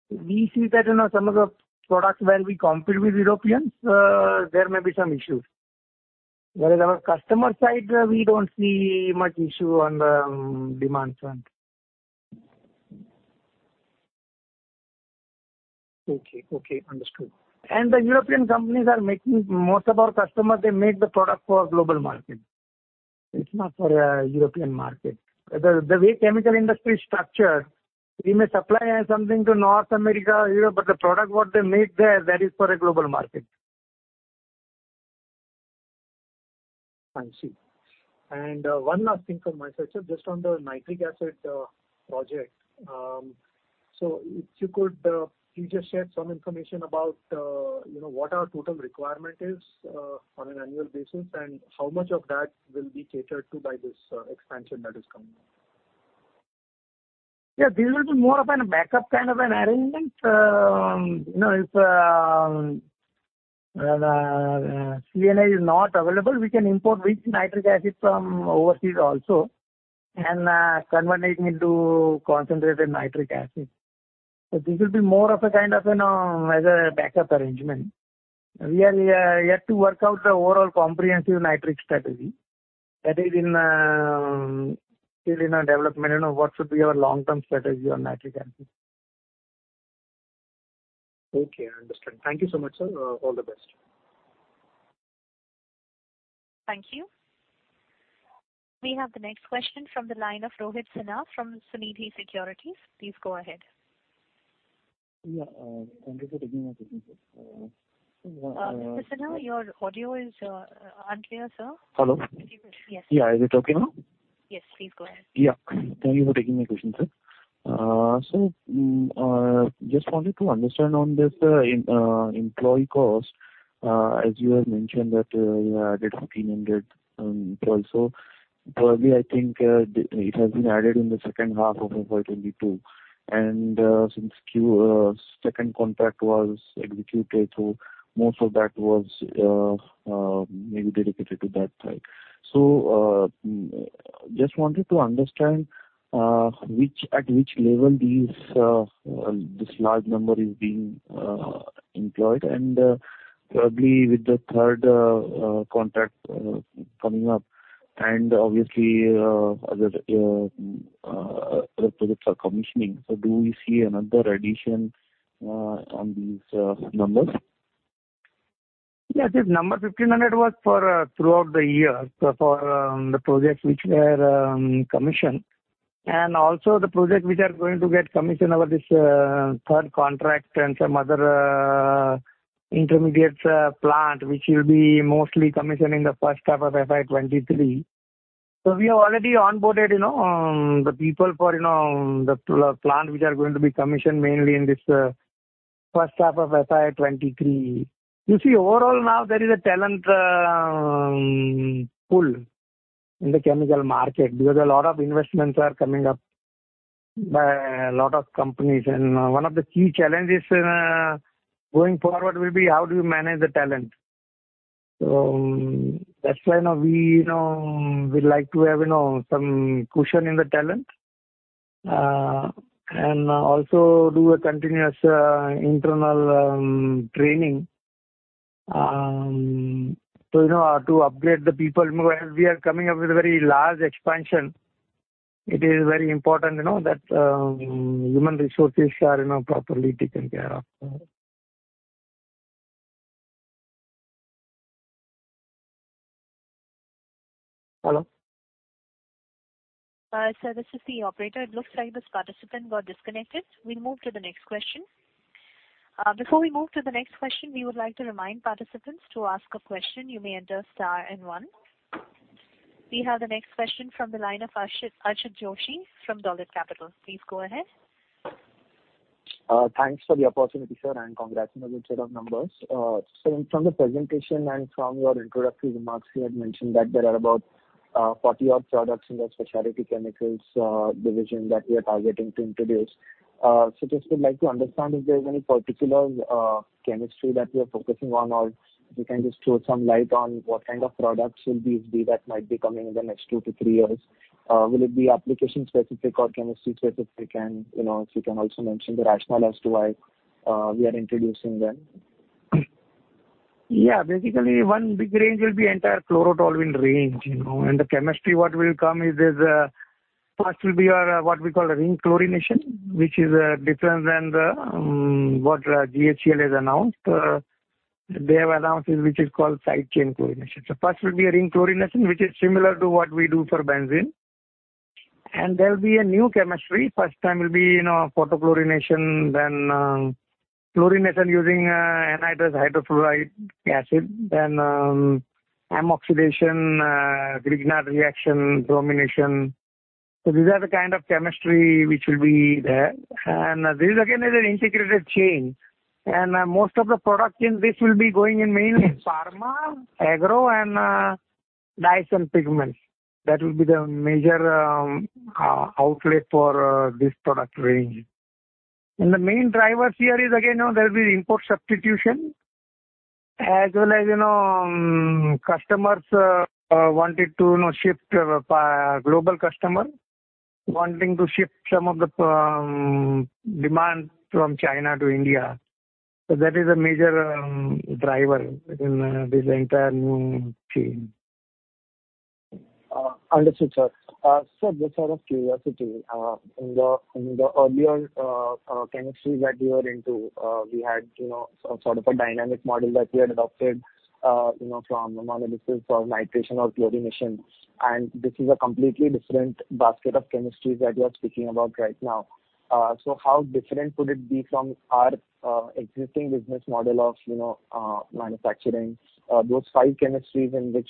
We see that, you know, some of the products where we compete with Europeans, there may be some issues. Whereas our customer side, we don't see much issue on the demand front. Okay. Understood. The European companies are making. Most of our customers, they make the product for global market. It's not for European market. The way chemical industry is structured, we may supply something to North America, Europe, but the product what they make there, that is for a global market. I see. One last thing from my side, sir, just on the nitric acid project. If you could please just share some information about, you know, what our total requirement is, on an annual basis, and how much of that will be catered to by this expansion that is coming up. Yeah. This will be more of a backup kind of an arrangement. You know, if CNA is not available, we can import weak nitric acid from overseas also and convert it into concentrated nitric acid. This will be more of a kind of as a backup arrangement. We are yet to work out the overall comprehensive nitric strategy that is still in a development. You know, what should be our long-term strategy on nitric acid. Okay, I understand. Thank you so much, sir. All the best. Thank you. We have the next question from the line of Rohit Sinha from Sunidhi Securities. Please go ahead. Yeah. Thank you for taking my question, sir. Mr. Sinha, your audio is unclear, sir. Hello? Yes. Yeah. Is it okay now? Yes. Please go ahead. Yeah. Thank you for taking my question, sir. Just wanted to understand on this employee cost, as you have mentioned that you added 1,500 also. Probably, I think, it has been added in the second half of FY 2022. Since Q2 contract was executed, so most of that was maybe dedicated to that side. Just wanted to understand at which level this large number is being employed and probably with the third contract coming up and obviously other projects are commissioning. Do we see another addition on these numbers? Yes. This number 1,500 was for throughout the year. For the projects which were commissioned and also the projects which are going to get commissioned over this third contract and some other intermediates plant, which will be mostly commissioned in the first half of FY 2023. We have already onboarded, you know, the people for, you know, the plant which are going to be commissioned mainly in this first half of FY 2023. You see, overall now there is a talent pool in the chemical market because a lot of investments are coming up by a lot of companies. One of the key challenges going forward will be how do you manage the talent. That's why now we, you know, we like to have, you know, some cushion in the talent, and also do a continuous, internal, training, so, you know, to upgrade the people. You know, as we are coming up with a very large expansion, it is very important, you know, that human resources are, you know, properly taken care of. Hello? Sir, this is the operator. It looks like this participant got disconnected. We'll move to the next question. Before we move to the next question, we would like to remind participants to ask a question, you may enter star and one. We have the next question from the line of Ashit Joshi from Dolat Capital. Please go ahead. Thanks for the opportunity, sir, and congrats on the good set of numbers. From the presentation and from your introductory remarks, you had mentioned that there are about 40-odd products in the specialty chemicals division that we are targeting to introduce. Just would like to understand if there's any particular chemistry that we are focusing on, or if you can just throw some light on what kind of products will these be that might be coming in the next 2 to 3 years. Will it be application specific or chemistry specific? You know, if you can also mention the rationale as to why we are introducing them. Yeah. Basically one big range will be entire chlorotoluene range, you know. The chemistry what will come is First will be our, what we call a ring chlorination, which is different than the what GHCL has announced. They have announced is which is called side chain chlorination. First will be a ring chlorination, which is similar to what we do for benzene. There'll be a new chemistry. First time will be, you know, photochlorination, then chlorination using anhydrous hydrofluoric acid, then ammoxidation, Grignard reaction, bromination. These are the kind of chemistry which will be there. This is again an integrated chain. Most of the products in this will be going in mainly pharma, agro, and dyes and pigments. That will be the major outlet for this product range. The main drivers here is again, you know, there will be import substitution as well as, you know, customers wanting to, you know, shift. Global customer wanting to shift some of the demand from China to India. That is a major driver in this entire new chain. Understood, sir. Sir, just out of curiosity, in the earlier chemistries that you were into, we had, you know, some sort of a dynamic model that we had adopted, you know, from ammonolysis or nitration or chlorination. This is a completely different basket of chemistries that you are speaking about right now. How different would it be from our existing business model of, you know, manufacturing those five chemistries in which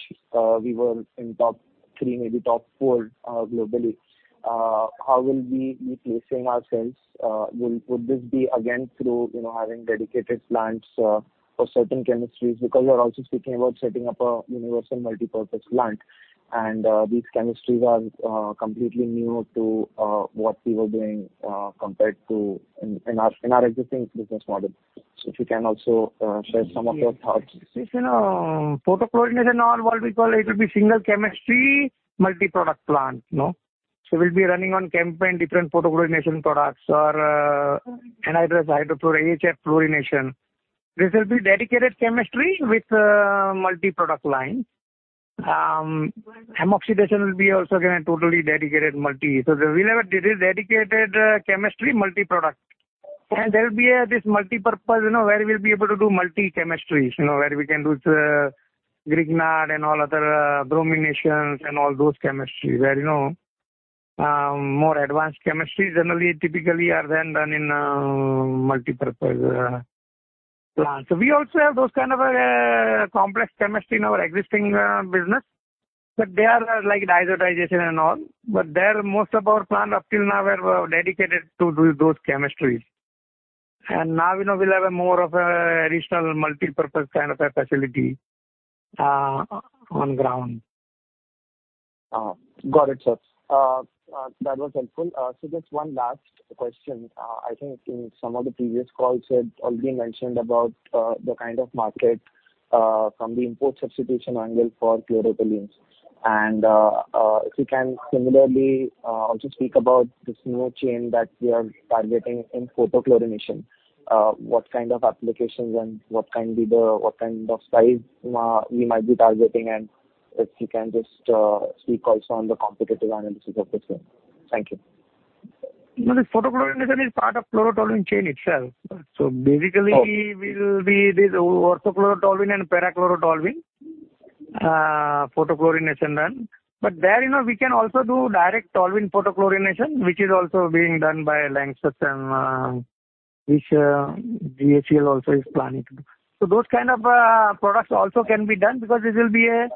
we were in top three, maybe top four, globally. How will we be placing ourselves? Would this be again through, you know, having dedicated plants for certain chemistries? Because you are also speaking about setting up a universal multipurpose plant, and these chemistries are completely new to what we were doing compared to in our existing business model. If you can also share some of your thoughts. This, you know, photochlorination, what we call it, will be single chemistry, multi-product plant, you know. We'll be running on campaign different photochlorination products or anhydrous hydrofluoric, AHF chlorination. This will be dedicated chemistry with a multi-product line. Ammoxidation will be also again a totally dedicated multi. We never did a dedicated chemistry multi-product. There'll be a, this multipurpose, you know, where we'll be able to do multi chemistries. You know, where we can do the Grignard and all other brominations and all those chemistry. Where, you know, more advanced chemistries generally typically are then done in a multipurpose plant. We also have those kind of a complex chemistry in our existing business, but they are like diazotization and all. The rest, most of our plants up till now were dedicated to do those chemistries. Now, you know, we'll have a more of a additional multipurpose kind of a facility on ground. Got it, sir. That was helpful. Just one last question. I think in some of the previous calls you had already mentioned about the kind of market from the import substitution angle for chlorotoluenes. If you can similarly also speak about this new chain that we are targeting in photochlorination. What kind of applications and what kind of size we might be targeting, and if you can just speak also on the competitive analysis of the same. Thank you. This photochlorination is part of chlorotoluene chain itself. Okay. Basically we will be doing ortho-chlorotoluene and para chlorotoluene photochlorination. There you know we can also do direct toluene photochlorination, which is also being done by LANXESS and which GHCL also is planning to do. Those kind of products also can be done because this will be a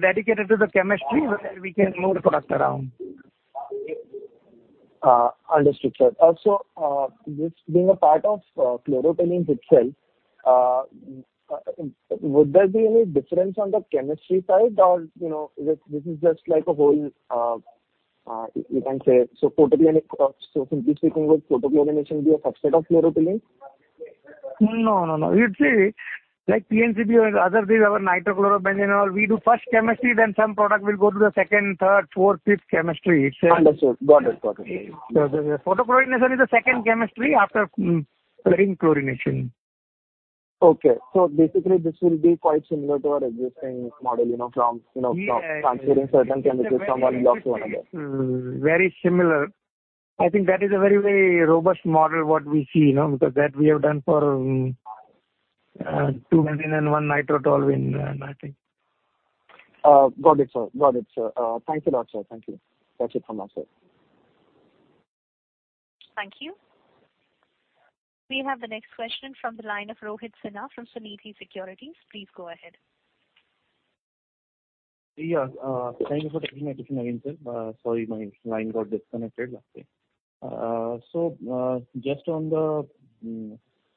dedicated to the chemistry where we can move products around. Understood, sir. Also, this being a part of chlorotoluenes itself, would there be any difference on the chemistry side or, you know, this is just like a whole, you can say so photochlorinated products? Simply speaking, will photochlorination be a subset of chlorotoluenes? No, no. You see, like PNCB or other things our nitrochlorobenzene and all, we do first chemistry, then some product will go to the second, third, fourth, fifth chemistry itself. Understood. Got it. The photochlorination is the second chemistry after chlorine chlorination. Okay. Basically this will be quite similar to our existing model, you know, from transferring certain chemistries from one block to another. Very similar. I think that is a very, very robust model what we see, you know, because that we have done for two benzene and one nitrotoluene and I think. Got it, sir. Thank you a lot, sir. Thank you. That's it from us, sir. Thank you. We have the next question from the line of Rohit Sinha from Sunidhi Securities. Please go ahead. Yeah. Thank you for taking my question again, sir. Sorry my line got disconnected last time. Just on the,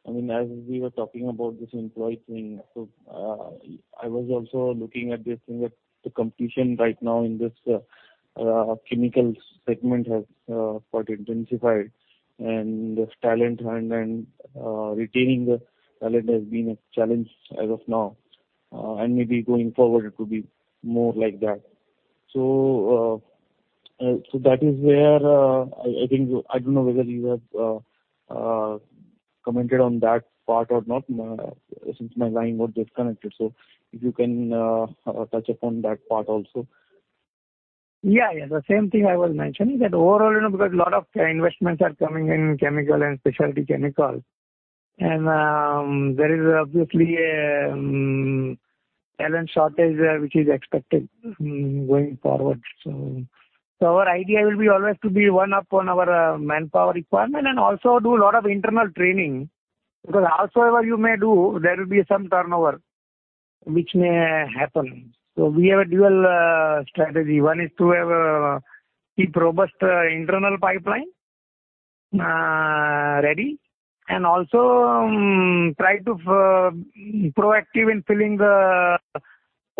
I mean, as we were talking about this employee thing, I was also looking at this thing that the competition right now in this chemical segment has quite intensified, and talent and retaining the talent has been a challenge as of now. Maybe going forward it could be more like that. That is where I think I don't know whether you have commented on that part or not, since my line got disconnected. If you can touch upon that part also. Yeah, yeah. The same thing I was mentioning, that overall, you know, because a lot of investments are coming in chemicals and specialty chemicals, and there is obviously a talent shortage there which is expected going forward. Our idea will be always to be one up on our manpower requirement and also do a lot of internal training. Because howsoever you may do, there will be some turnover which may happen. We have a dual strategy. One is to keep robust internal pipeline ready, and also try to proactive in filling the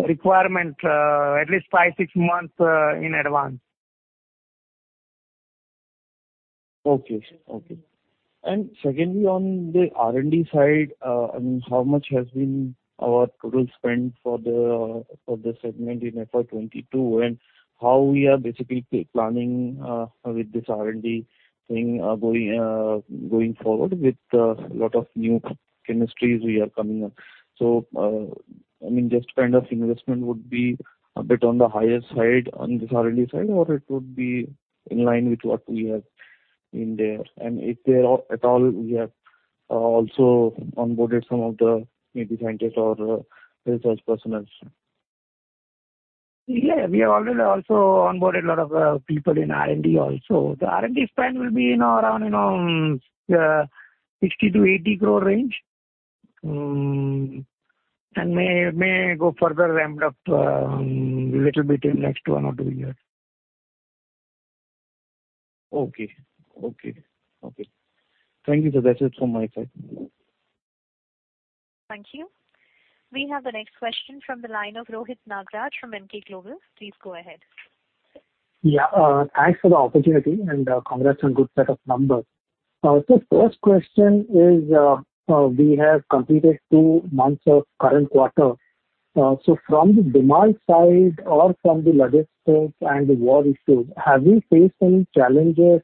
requirement at least 5-6 months in advance. Secondly, on the R&D side, I mean, how much has been our total spend for this segment in FY 22? How we are basically planning with this R&D thing going forward with lot of new chemistries we are coming up. I mean, just kind of investment would be a bit on the higher side on this R&D side, or it would be in line with what we have in there. If there at all, we have also onboarded some of the maybe scientists or research personnel. Yeah, we have already also onboarded a lot of people in R&D also. The R&D spend will be, you know, around, you know, 60 crore-80 crore range. may go further ramped up a little bit in next one or two years. Okay. Thank you, sir. That's it from my side. Thank you. We have the next question from the line of Rohit Nagraj from Emkay Global. Please go ahead. Thanks for the opportunity, and congrats on good set of numbers. First question is. We have completed two months of current quarter. From the demand side or from the logistics and the war issues, have you faced any challenges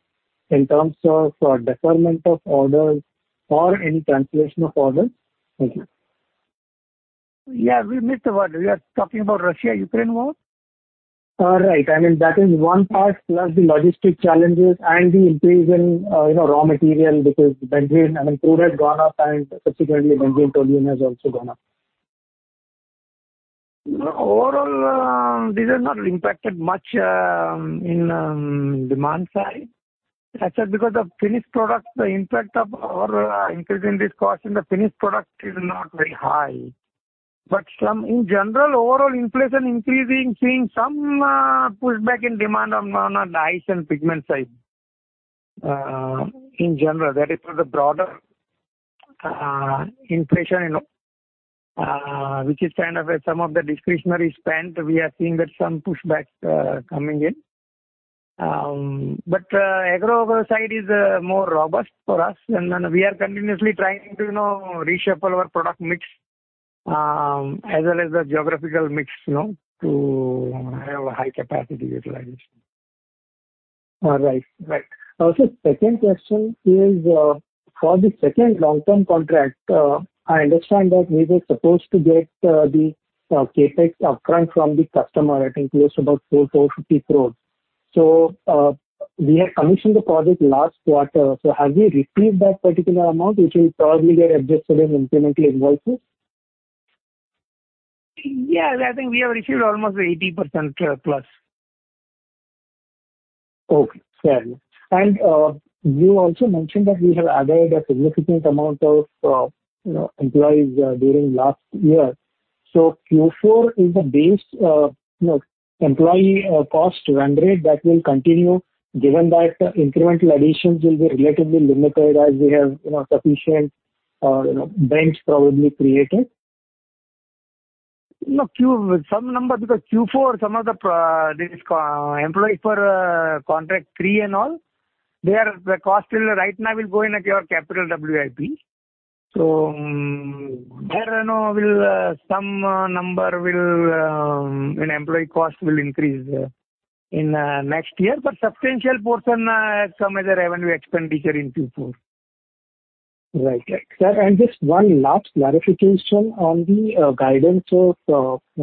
in terms of deferment of orders or any translation of orders? Thank you. Yeah, we missed the word. We are talking about Russia-Ukraine war? Right. I mean, that is one part, plus the logistic challenges and the increase in, you know, raw material because benzene, I mean, crude has gone up and subsequently benzene, toluene has also gone up. Overall, this has not impacted much in demand side. That's just because the finished product, the impact of our increase in this cost in the finished product is not very high. In general, overall inflation increasing, seeing some pushback in demand on the dyes and pigment side. In general, that is with the broader inflation, you know, which is kind of some of the discretionary spend. We are seeing that some pushbacks coming in. Agro side is more robust for us. We are continuously trying to, you know, reshuffle our product mix as well as the geographical mix, you know, to have a high capacity utilization. All right. Right. Second question is, for the second long-term contract, I understand that we were supposed to get the CapEx upfront from the customer, I think close to about 445 crore. We have commissioned the project last quarter. Have we received that particular amount, which will probably get adjusted in incremental invoices? Yeah. I think we have received almost 80% plus. Okay. Fairly. You also mentioned that we have added a significant amount of, you know, employees, during last year. Q4 is the base, you know, employee, cost run rate that will continue given that incremental additions will be relatively limited as we have, you know, sufficient, you know, bench probably created. Some number because in Q4 some of the projects. These costs. Employee for contract 3 and all, their costs will right now go in your capital WIP. There you know some number in employee cost will increase in next year. Substantial portion come as a revenue expenditure in Q4. Right. Sir, just one last clarification on the guidance of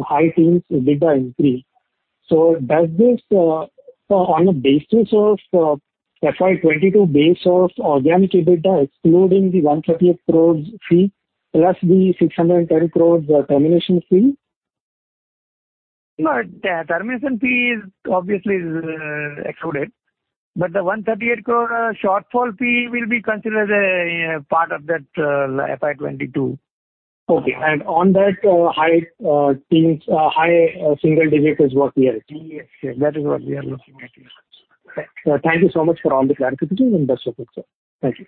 high teens EBITDA increase. Does this on a basis of FY 2022 base of organic EBITDA excluding the 138 crores fee plus the 610 crores termination fee? No. Termination fee is obviously excluded, but the 138 crore shortfall fee will be considered a part of that, FY 2022. Okay. On that, high teens, high single digits was clear. Yes. That is what we are looking at. Yes. Thank you so much for all the clarifications. Best of luck, sir. Thank you.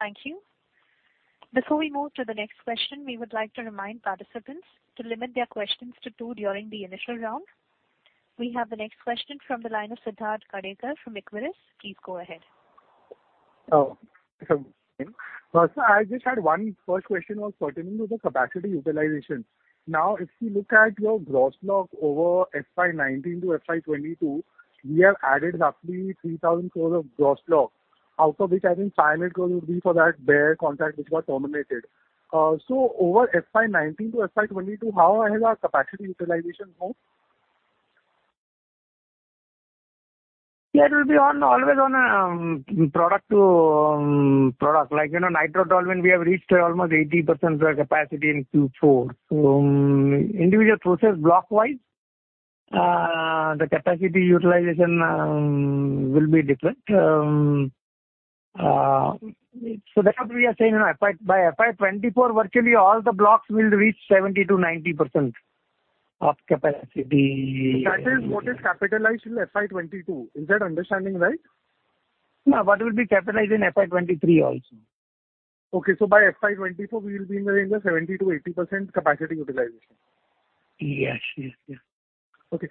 Thank you. Before we move to the next question, we would like to remind participants to limit their questions to two during the initial round. We have the next question from the line of Siddharth Gadekar from Equirus. Please go ahead. Sir, I just had one first question was pertaining to the capacity utilization. Now, if we look at your gross block over FY 2019 to FY 2022, we have added roughly 3,000 crore of gross block, out of which I think 500 crore would be for that Bayer contract which was terminated. Over FY 2019 to FY 2022, how has our capacity utilization grown? Yeah. It will be on, always on, product to product. Like, you know, nitrotoluene we have reached almost 80% capacity in Q4. Individual process block-wise, the capacity utilization will be different. That's what we are saying, you know, by FY 2024, virtually all the blocks will reach 70%-90% of capacity. That is what is capitalized in FY 2022. Is that understanding right? No. What will be capitalized in FY 23 also? Okay. By FY 2024 we will be in the range of 70%-80% capacity utilization. Yes. Yes. Yes. Okay.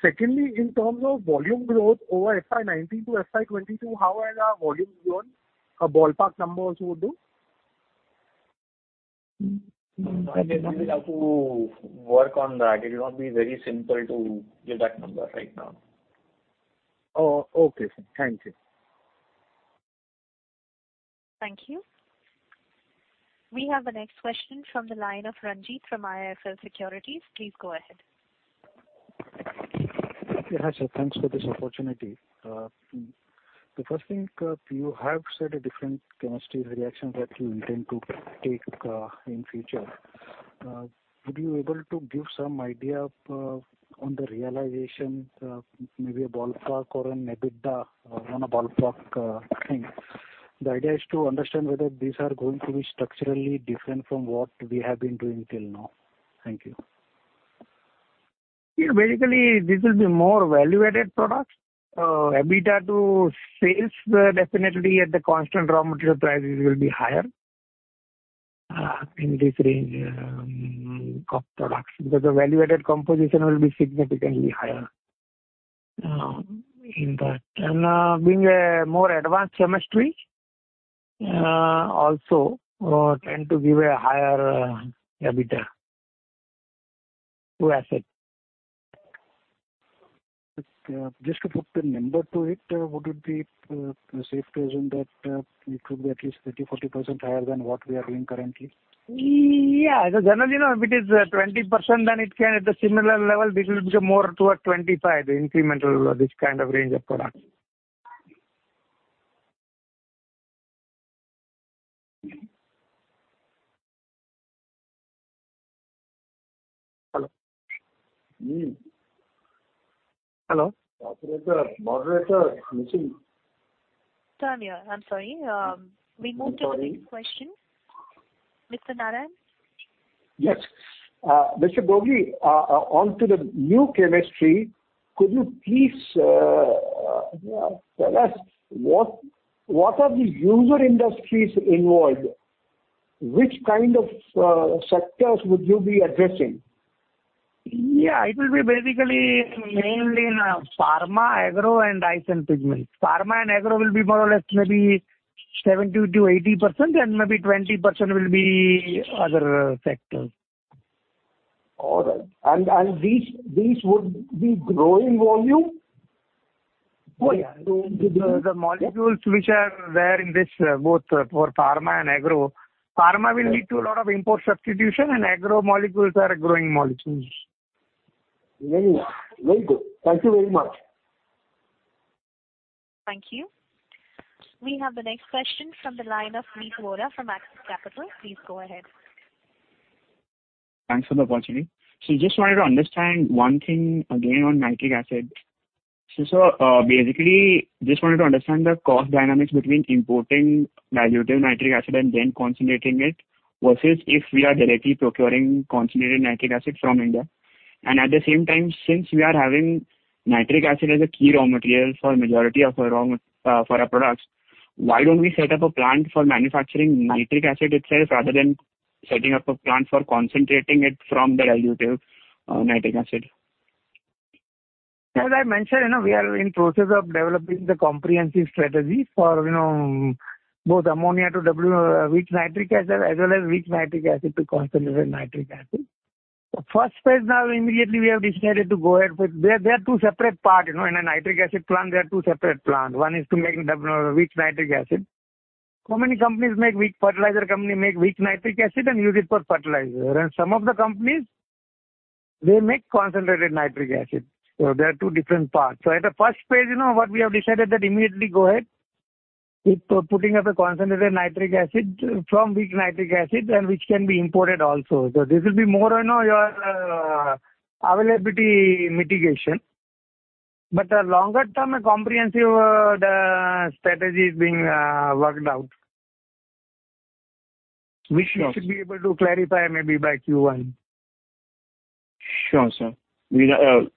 Secondly, in terms of volume growth over FY 2019 to FY 2022, how has our volumes grown? A ballpark number also would do. I think we'll have to work on that. It will not be very simple to give that number right now. Oh, okay, sir. Thank you. Thank you. We have the next question from the line of Ranjit from IIFL Securities. Please go ahead. Yeah, sure. Thanks for this opportunity. The first thing, you have said a different chemistry reaction that you intend to take, in future. Would you able to give some idea, on the realization, maybe a ballpark or an EBITDA on a ballpark, thing? The idea is to understand whether these are going to be structurally different from what we have been doing till now. Thank you. Yeah. Basically, this will be more value-added products. EBITDA to sales definitely at the constant raw material prices will be higher in this range of products because the value-added composition will be significantly higher in that. Being a more advanced chemistry also tend to give a higher EBITDA to asset. Just to put the number to it, would it be safe to assume that it could be at least 30%-40% higher than what we are doing currently? Yeah. Generally, now, if it is 20%, then it can at the similar level, this will be more toward 25, the incremental, this kind of range of product. Hello? Mm-hmm. Hello? Operator. Moderator missing. Danielle, I'm sorry. We move to the next question. Mr. Narayan? Yes. Mr. Gogri, on to the new chemistry, could you please tell us what are the user industries involved? Which kind of sectors would you be addressing? Yeah. It will be basically mainly in pharma, agro and dyes and pigments. Pharma and agro will be more or less maybe 70%-80%, and maybe 20% will be other sectors. All right. These would be growing volume? Oh, yeah. The molecules which are there in this both for pharma and agro. Pharma will lead to a lot of import substitution and agro molecules are growing molecules. Very good. Thank you very much. Thank you. We have the next question from the line of Nikhil Vora from Axis Capital. Please go ahead. Thanks for the opportunity. Just wanted to understand one thing again on nitric acid. Basically just wanted to understand the cost dynamics between importing dilute nitric acid and then concentrating it versus if we are directly procuring concentrated nitric acid from India. At the same time, since we are having nitric acid as a key raw material for majority of our products, why don't we set up a plant for manufacturing nitric acid itself rather than setting up a plant for concentrating it from the dilute nitric acid? As I mentioned, you know, we are in process of developing the comprehensive strategy for, you know, both ammonia to weak nitric acid as well as weak nitric acid to concentrated nitric acid. The first phase now immediately we have decided to go ahead with. There are two separate parts, you know. In a nitric acid plant, they are two separate plants. One is to make the weak nitric acid. Many companies make weak nitric acid. Fertilizer companies make weak nitric acid and use it for fertilizer. Some of the companies, they make concentrated nitric acid. They are two different parts. At the first phase, you know, what we have decided that immediately go ahead with putting up a concentrated nitric acid from weak nitric acid and which can be imported also. This will be more, you know, your availability mitigation. Longer term, a comprehensive strategy is being worked out, which we should be able to clarify maybe by Q1. Sure, sir. The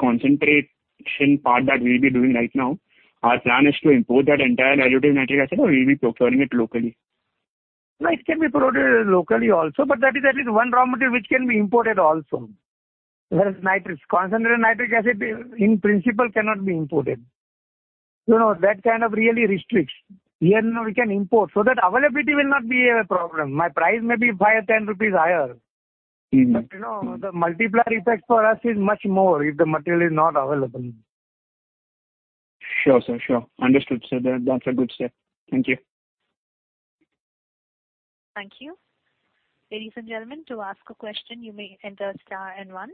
concentration part that we'll be doing right now, our plan is to import that entire dilute nitric acid, or we'll be procuring it locally? No, it can be procured locally also, but that is at least one raw material which can be imported also. Whereas nitric, concentrated nitric acid in principle cannot be imported. You know, that kind of really restricts. Here now we can import, so that availability will not be a problem. My price may be 5-10 rupees higher. Mm-hmm. You know, the multiplier effect for us is much more if the material is not available. Sure, sir. Sure. Understood, sir. That's a good step. Thank you. Thank you. Ladies and gentlemen, to ask a question, you may enter * and one.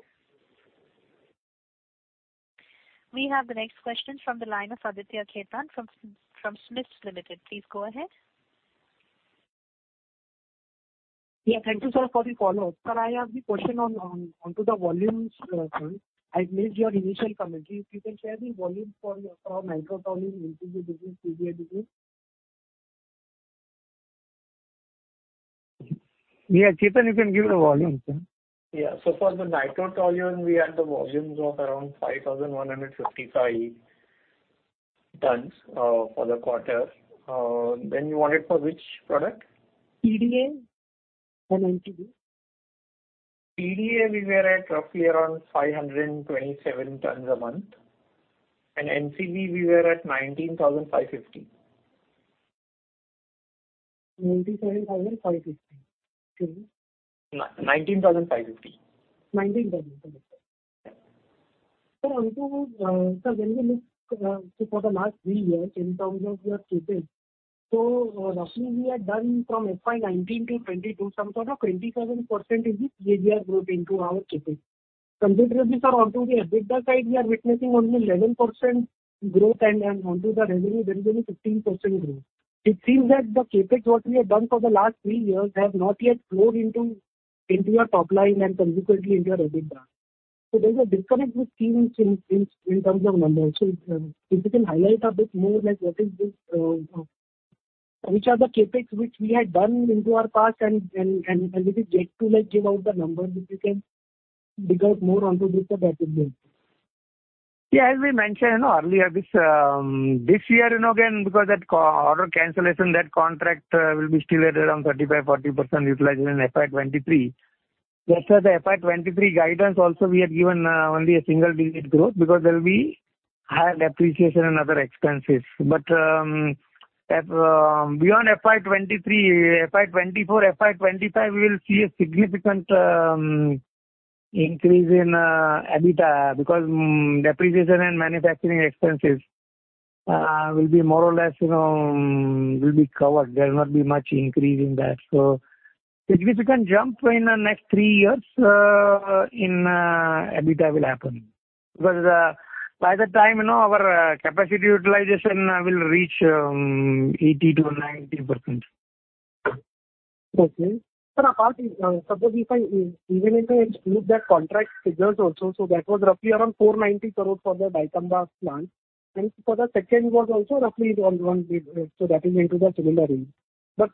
We have the next question from the line of Aditya Khetan from SMIFS Limited. Please go ahead. Yeah. Thank you, sir, for the follow-up. Sir, I have the question on to the volumes thing. I missed your initial comment. If you can share the volumes for nitrotoluene, MTB, TBA, please. Yeah. Suyog Kotecha, you can give the volumes. Yeah. For the nitrotoluene, we had volumes of around 5,155 tons for the quarter. You want it for which product? TBA and NCB. TBA we were at roughly around 527 tons a month, and NCB we were at 19,550. INR 97,550. Excuse me. 19,550. 19,550. On to the EBITDA side, we are witnessing only 11% growth and on to the revenue there is only 15% growth. When we look for the last three years in terms of your CapEx, roughly we had done from FY 2019 to 2022 some sort of 27% is the CAGR growth into our CapEx. Considering this, it seems that the CapEx what we have done for the last three years has not yet flowed into your top line and consequently into your EBITDA. There's a disconnect we're seeing in terms of numbers. If you can highlight a bit more, like, which are the CapEx which we had done in the past and will it get to, like, give out the numbers if you can dig out more on this, sir. That would be. Yeah. As we mentioned, you know, earlier this year, you know, again, because that order cancellation, that contract, will be still at around 35%-40% utilization in FY 2023. Just as the FY 2023 guidance also we had given, only a single-digit growth because there'll be higher depreciation and other expenses. At, beyond FY 2023, FY 2024, FY 2025 we will see a significant increase in EBITDA because depreciation and manufacturing expenses will be more or less, you know, will be covered. There'll not be much increase in that. Significant jump in the next three years in EBITDA will happen. Because, by that time, you know, our capacity utilization will reach 80%-90%. Sir, suppose if I include that contract figures also, that was roughly around 490 crore for the dicamba plant. For the second was also roughly around the similar range.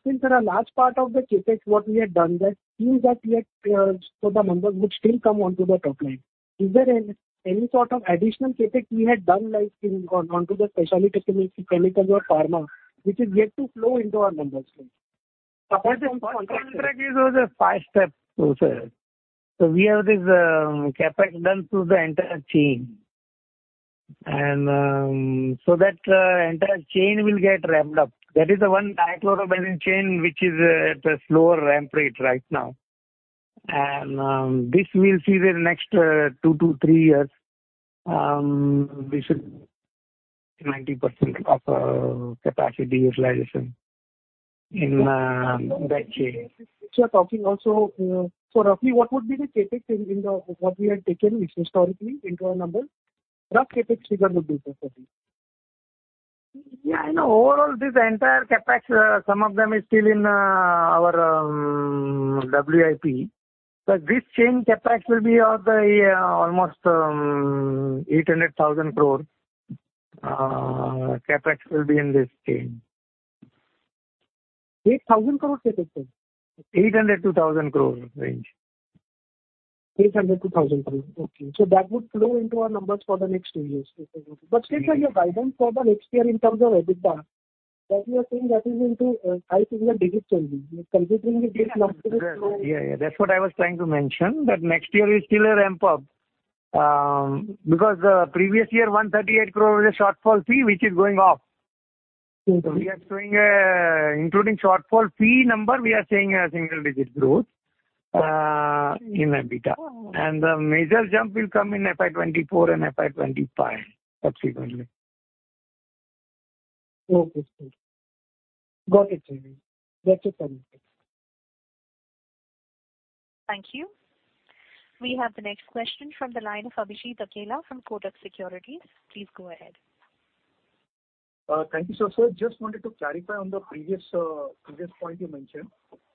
Since there are large part of the CapEx what we have done that seems yet, the numbers would still come onto the top line. Is there any sort of additional CapEx we had done, like in, on, onto the specialty chemicals or pharma which is yet to flow into our numbers? contract is a five-step process. We have this CapEx done through the entire chain. That entire chain will get ramped up. That is the one dichlorobenzene chain which is at a slower ramp rate right now. This we'll see in the next two to three years. We should 90% of capacity utilization in that chain. Since you are talking also, so roughly what would be the CapEx. What we had taken which historically into our numbers, rough CapEx figure would be, sir, for this. Yeah, I know. Overall, this entire CapEx, some of them is still in our WIP. This chain CapEx will be of the almost 800,000 crore CapEx will be in this chain. 8,000 crore CapEx, sir? 800-1,000 crore range. 800 crore-1,000 crore. Okay. That would flow into our numbers for the next two years. Yes. Since your guidance for the next year in terms of EBITDA, that you are saying that is into high single digit change. Considering the flow- Yes. Yeah, yeah. That's what I was trying to mention, that next year is still a ramp-up. Previous year 138 crore was a shortfall fee which is going off. Okay. We are showing, including shortfall fee number, we are saying a single digit growth in EBITDA. Okay. The major jump will come in FY 24 and FY 25 subsequently. Okay. Got it, sir. That's it from me. Thank you. We have the next question from the line of Abhijit Akella from Kotak Securities. Please go ahead. Thank you, sir. Sir, just wanted to clarify on the previous point you mentioned.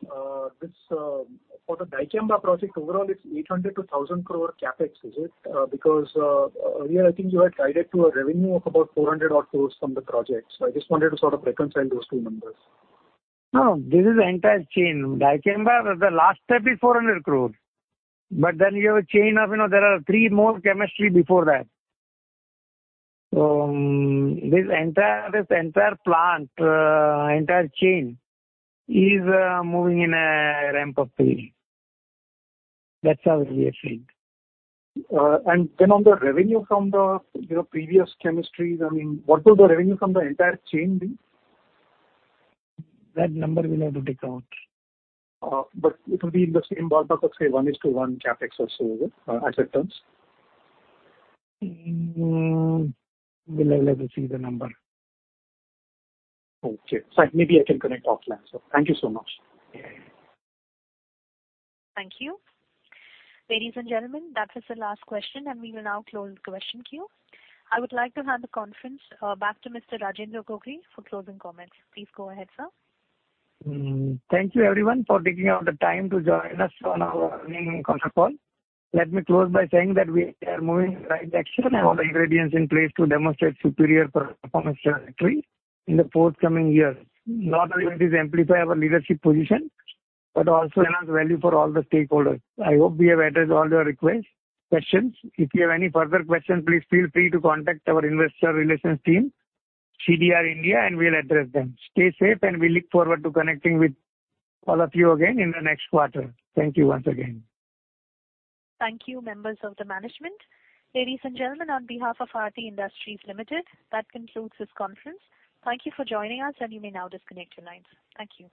For the dicamba project, overall it's 800-1,000 crore CapEx, is it? Because earlier I think you had guided to a revenue of about 400-odd crore from the project. I just wanted to sort of reconcile those two numbers. No, this is the entire chain. Dicamba, the last step is INR 400 crores. You have a chain of, you know, there are three more chemistry before that. This entire plant, entire chain is moving in a ramp-up phase. That's how we are seeing. on the revenue from the, you know, previous chemistries, I mean, what will the revenue from the entire chain be? That number we'll have to dig out. It will be in the same ballpark of, say, 1:1 CapEx or so, is it, as returns? We'll have to see the number. Okay. It's fine. Maybe I can connect offline. Thank you so much. Yeah, yeah. Thank you. Ladies and gentlemen, that was the last question, and we will now close the question queue. I would like to hand the conference back to Mr. Rajendra Gogri for closing comments. Please go ahead, sir. Thank you everyone for taking out the time to join us on our earnings conference call. Let me close by saying that we are moving in the right direction and all the ingredients in place to demonstrate superior performance trajectory in the forthcoming years. Not only will this amplify our leadership position, but also enhance value for all the stakeholders. I hope we have addressed all your requests, questions. If you have any further questions, please feel free to contact our investor relations team, CDR India, and we'll address them. Stay safe, and we look forward to connecting with all of you again in the next quarter. Thank you once again. Thank you, members of the management. Ladies and gentlemen, on behalf of Aarti Industries Limited, that concludes this conference. Thank you for joining us, and you may now disconnect your lines. Thank you.